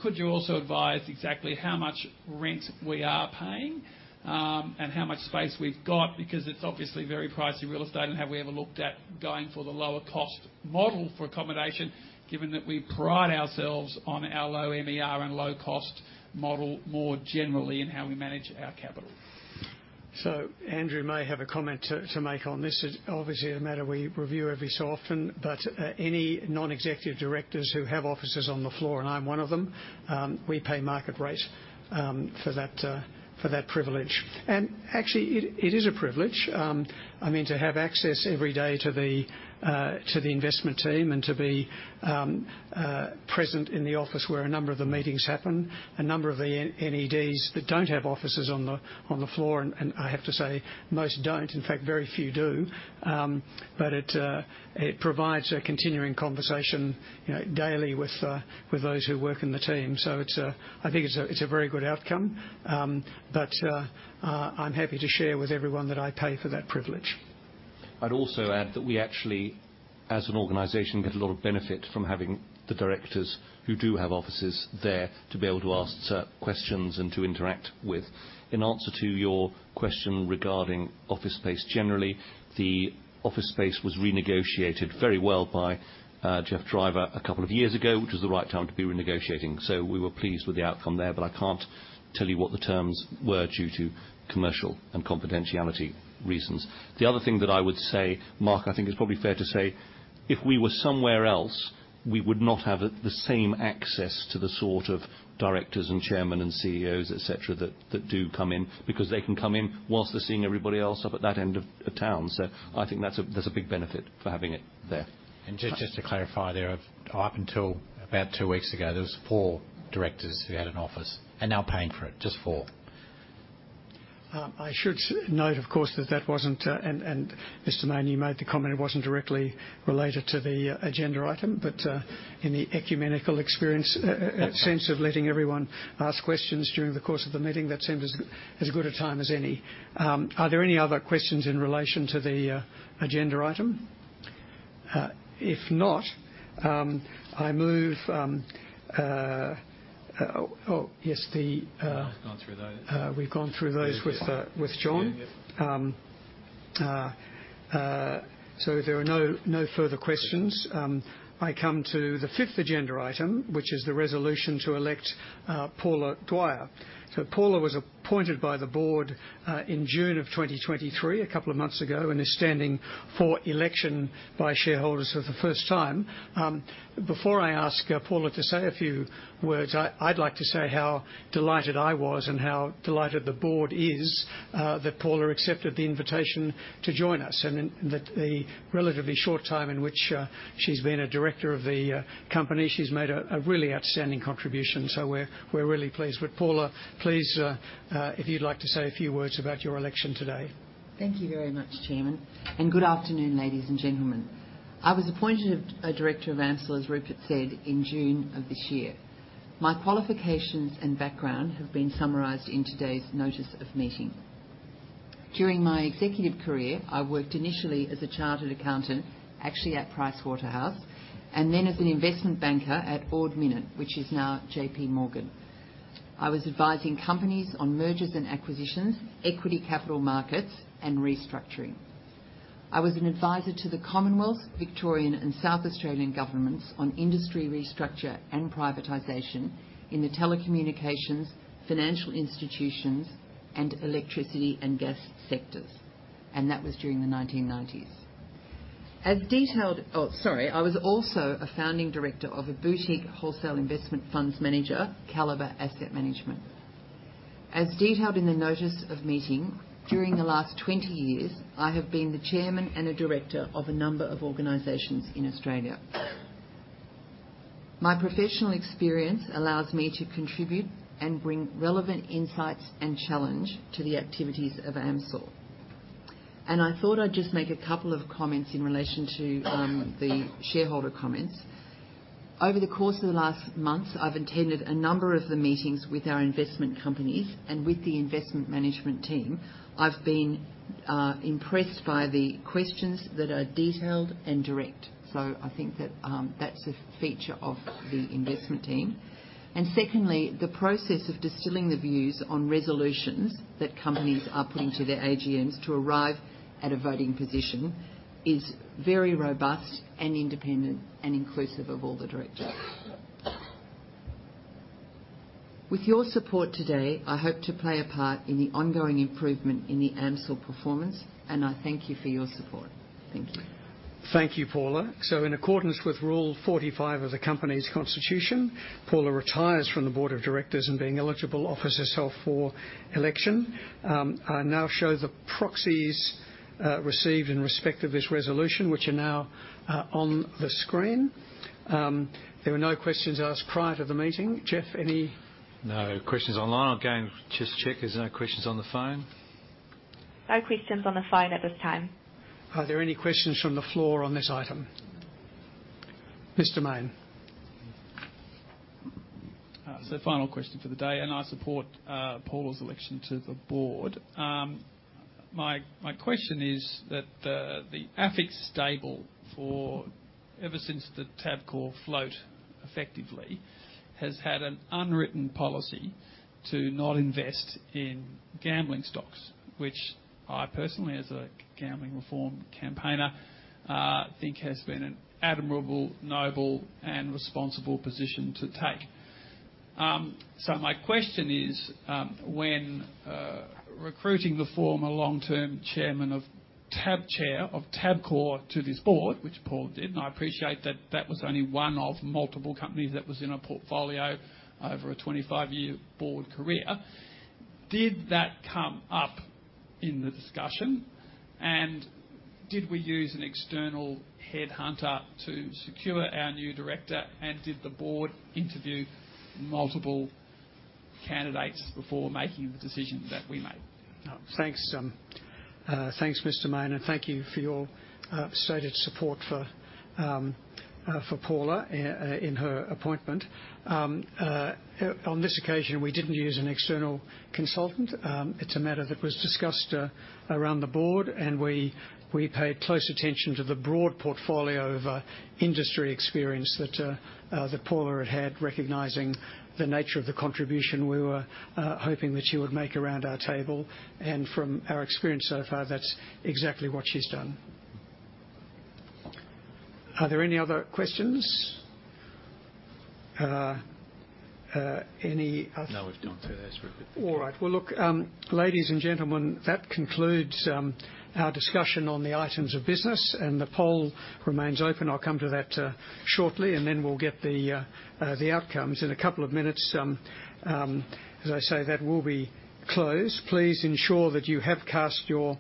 Could you also advise exactly how much rent we are paying, and how much space we've got? Because it's obviously very pricey real estate, and have we ever looked at going for the lower cost model for accommodation, given that we pride ourselves on our low MER and low cost model more generally in how we manage our capital? So Andrew may have a comment to make on this. It's obviously a matter we review every so often, but any non-executive directors who have offices on the floor, and I'm one of them, we pay market rate for that privilege. And actually, it is a privilege, I mean, to have access every day to the investment team and to be present in the office where a number of the meetings happen. A number of the NEDs that don't have offices on the floor, and I have to say, most don't. In fact, very few do. But it provides a continuing conversation, you know, daily with those who work in the team. So it's a, I think it's a very good outcome. I'm happy to share with everyone that I pay for that privilege. I'd also add that we actually, as an organization, get a lot of benefit from having the directors who do have offices there to be able to ask certain questions and to interact with. In answer to your question regarding office space, generally, the office space was renegotiated very well by Geoff Driver a couple of years ago, which was the right time to be renegotiating, so we were pleased with the outcome there, but I can't tell you what the terms were due to commercial and confidentiality reasons. The other thing that I would say, Mark, I think it's probably fair to say, if we were somewhere else, we would not have the same access to the sort of directors and chairmen and CEOs, et cetera, that do come in, because they can come in whilst they're seeing everybody else up at that end of the town. So I think that's. There's a big benefit for having it there. Just, just to clarify there, up until about two weeks ago, there was four directors who had an office and now paying for it, just four. I should note, of course, that that wasn't. And Mr. Mayne, you made the comment, it wasn't directly related to the agenda item, but in the ecumenical experience, sense of letting everyone ask questions during the course of the meeting, that seems as good a time as any. Are there any other questions in relation to the agenda item? If not, I move. Oh, yes, the. We've gone through those. We've gone through those with the. Yes. With Jon. So if there are no further questions, I come to the fifth agenda item, which is the resolution to elect Paula Dwyer. So Paula was appointed by the Board in June of 2023, a couple of months ago, and is standing for election by shareholders for the first time. Before I ask Paula to say a few words, I'd like to say how delighted I was and how delighted the Board is that Paula accepted the invitation to join us, and in the relatively short time in which she's been a director of the company, she's made a really outstanding contribution. So we're really pleased. But, Paula, please, if you'd like to say a few words about your election today. Thank you very much, Chairman, and good afternoon, ladies and gentlemen. I was appointed a director of AMCIL, as Rupert said, in June of this year. My qualifications and background have been summarized in today's notice of meeting. During my executive career, I worked initially as a chartered accountant, actually at Pricewaterhouse, and then as an investment banker at Ord Minnett, which is now JPMorgan. I was advising companies on mergers and acquisitions, equity capital markets, and restructuring. I was an advisor to the Commonwealth, Victorian, and South Australian governments on industry restructure and privatization in the telecommunications, financial institutions, and electricity and gas sectors, and that was during the 1990s. As detailed. Oh, sorry, I was also a founding director of a boutique wholesale investment funds manager, Calibre Asset Management. As detailed in the notice of meeting, during the last 20 years, I have been the chairman and a director of a number of organizations in Australia. My professional experience allows me to contribute and bring relevant insights and challenge to the activities of AMCIL. I thought I'd just make a couple of comments in relation to the shareholder comments. Over the course of the last months, I've attended a number of the meetings with our investment companies and with the investment management team. I've been impressed by the questions that are detailed and direct, so I think that that's a feature of the investment team. And secondly, the process of distilling the views on resolutions that companies are putting to their AGMs to arrive at a voting position is very robust, and independent, and inclusive of all the directors. With your support today, I hope to play a part in the ongoing improvement in the AMCIL performance, and I thank you for your support. Thank you. Thank you, Paula. So in accordance with Rule 45 of the company's constitution, Paula retires from the Board of Directors and, being eligible, offers herself for election. I now show the proxies received in respect of this resolution, which are now on the screen. There were no questions asked prior to the meeting. Geoff, any? No questions online. Again, just check there's no questions on the phone. No questions on the phone at this time. Are there any questions from the floor on this item? Mr. Mayne. So final question for the day, and I support Paula's election to the Board. My, my question is that the, the AFIC stable for, ever since the Tabcorp float, effectively, has had an unwritten policy to not invest in gambling stocks, which I personally, as a gambling reform campaigner, think has been an admirable, noble, and responsible position to take. So my question is, when recruiting the former long-term chairman of Tabcorp to this Board, which Paula did, and I appreciate that that was only one of multiple companies that was in a portfolio over a 25-year Board career, did that come up in the discussion? And did we use an external headhunter to secure our new director, and did the Board interview multiple candidates before making the decision that we made? Thanks, Mr. Mayne, and thank you for your stated support for Paula in her appointment. On this occasion, we didn't use an external consultant. It's a matter that was discussed around the Board, and we paid close attention to the broad portfolio of industry experience that Paula had had, recognizing the nature of the contribution we were hoping that she would make around our table. And from our experience so far, that's exactly what she's done. Are there any other questions? Any other. No, we've gone through this. All right. Well, look, ladies and gentlemen, that concludes our discussion on the items of business, and the poll remains open. I'll come to that, shortly, and then we'll get the outcomes. In a couple of minutes, as I say, that will be closed. Please ensure that you have cast your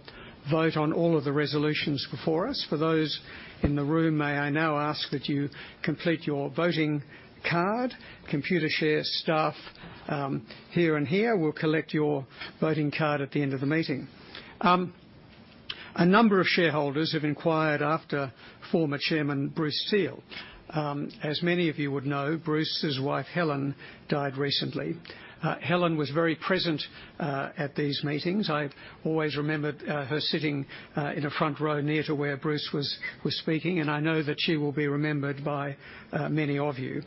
vote on all of the resolutions before us. For those in the room, may I now ask that you complete your voting card? Computershare staff, here and here will collect your voting card at the end of the meeting. A number of shareholders have inquired after former Chairman Bruce Teele. As many of you would know, Bruce's wife, Helen, died recently. Helen was very present at these meetings. I've always remembered her sitting in a front row near to where Bruce was speaking, and I know that she will be remembered by many of you.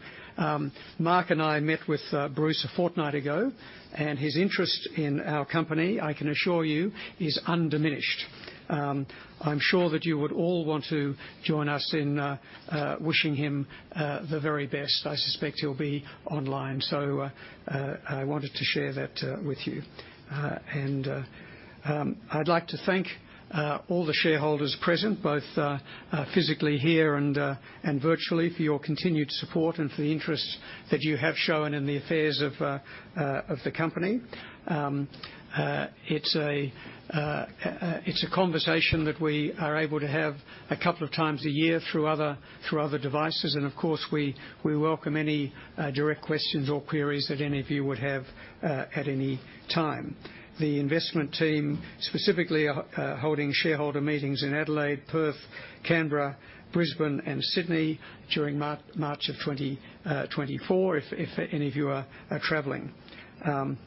Mark and I met with Bruce a fortnight ago, and his interest in our company, I can assure you, is undiminished. I'm sure that you would all want to join us in wishing him the very best. I suspect he'll be online, so I wanted to share that with you. And I'd like to thank all the shareholders present, both physically here and virtually, for your continued support and for the interest that you have shown in the affairs of the company. It's a conversation that we are able to have a couple of times a year through other, through other devices, and of course, we welcome any direct questions or queries that any of you would have at any time. The investment team, specifically are holding shareholder meetings in Adelaide, Perth, Canberra, Brisbane and Sydney during March of 2024, if any of you are traveling, and.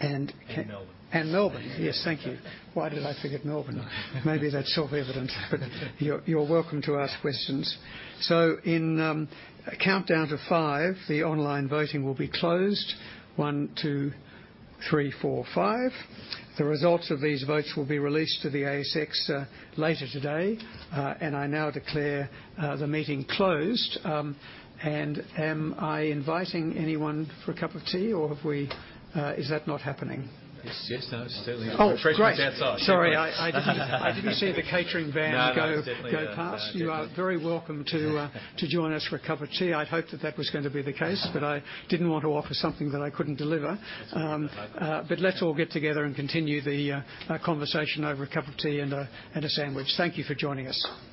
And Melbourne. And Melbourne. Yes, thank you. Why did I forget Melbourne? Maybe that's self-evident, but you're welcome to ask questions. So in a countdown to five, the online voting will be closed. One, two, three, four, five. The results of these votes will be released to the ASX later today. And I now declare the meeting closed. And am I inviting anyone for a cup of tea, or have we, Is that not happening? Yes, yes, certainly. Oh, great. Refreshments outside. Sorry, I didn't see the catering van. No, that's definitely the. You are very welcome to join us for a cup of tea. I'd hoped that that was going to be the case, but I didn't want to offer something that I couldn't deliver. That's okay. Let's all get together and continue the conversation over a cup of tea and a sandwich. Thank you for joining us.